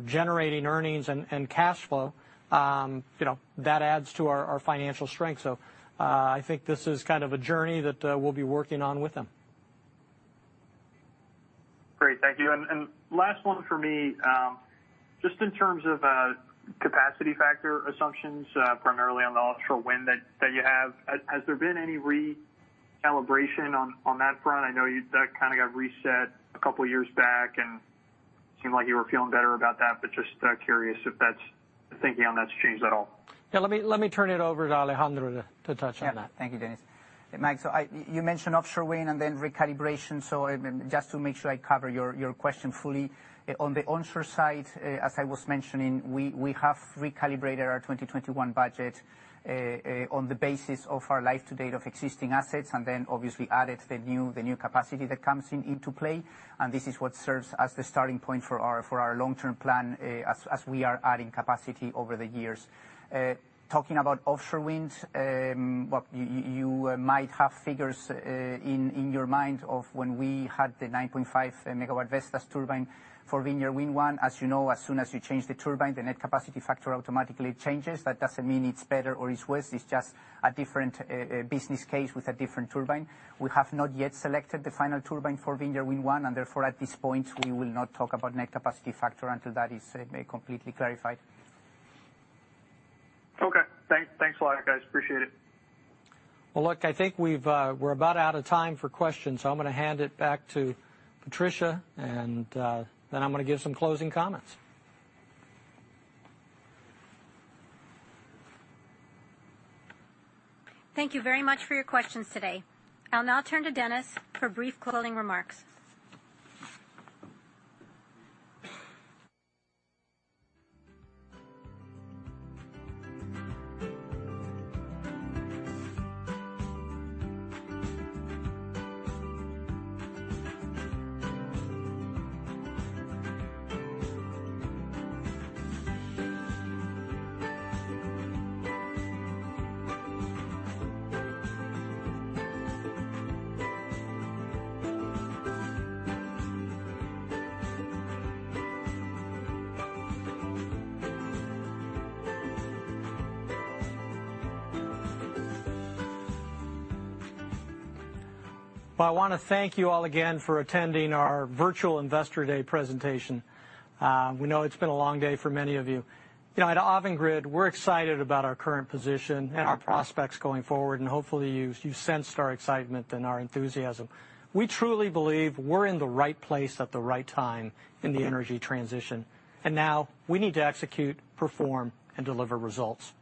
generating earnings and cash flow, that adds to our financial strength. I think this is kind of a journey that we'll be working on with them. Great. Thank you. Last one for me. Just in terms of capacity factor assumptions, primarily on the offshore wind that you have. Has there been any recalibration on that front? I know that kind of got reset a couple years back, and seemed like you were feeling better about that, but just curious if the thinking on that's changed at all. Yeah, let me turn it over to Alejandro to touch on that. Yeah. Thank you, Dennis. Mike, so you mentioned offshore wind and then recalibration, so just to make sure I cover your question fully. On the onshore side, as I was mentioning, we have recalibrated our 2021 budget on the basis of our life to date of existing assets, and then obviously added the new capacity that comes into play, and this is what serves as the starting point for our long-term plan as we are adding capacity over the years. Talking about offshore winds, you might have figures in your mind of when we had the 9.5 MW Vestas turbine for Vineyard Wind 1. As you know, as soon as you change the turbine, the net capacity factor automatically changes. That doesn't mean it's better or it's worse, it's just a different business case with a different turbine. We have not yet selected the final turbine for Vineyard Wind 1, and therefore, at this point, we will not talk about net capacity factor until that is completely clarified. Okay. Thanks a lot, guys. Appreciate it. Well, look, I think we're about out of time for questions, so I'm going to hand it back to Patricia, and then I'm going to give some closing comments. Thank you very much for your questions today. I'll now turn to Dennis for brief closing remarks. Well, I want to thank you all again for attending our virtual Investor Day presentation. We know it's been a long day for many of you. At Avangrid, we're excited about our current position and our prospects going forward, and hopefully you sensed our excitement and our enthusiasm. We truly believe we're in the right place at the right time in the energy transition, and now we need to execute, perform, and deliver results.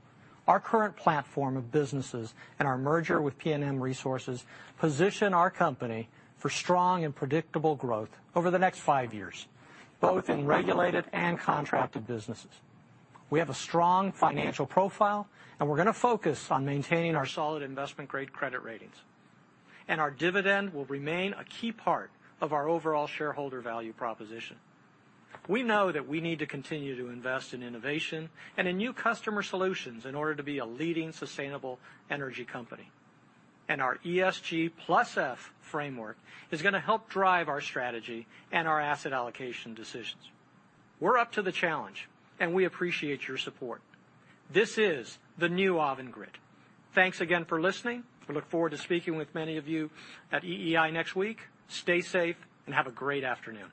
Our current platform of businesses and our merger with PNM Resources position our company for strong and predictable growth over the next five years, both in regulated and contracted businesses. We have a strong financial profile, and we're going to focus on maintaining our solid investment-grade credit ratings. Our dividend will remain a key part of our overall shareholder value proposition. We know that we need to continue to invest in innovation and in new customer solutions in order to be a leading sustainable energy company. Our ESG+F framework is going to help drive our strategy and our asset allocation decisions. We're up to the challenge, and we appreciate your support. This is the new Avangrid. Thanks again for listening. We look forward to speaking with many of you at EEI next week. Stay safe and have a great afternoon.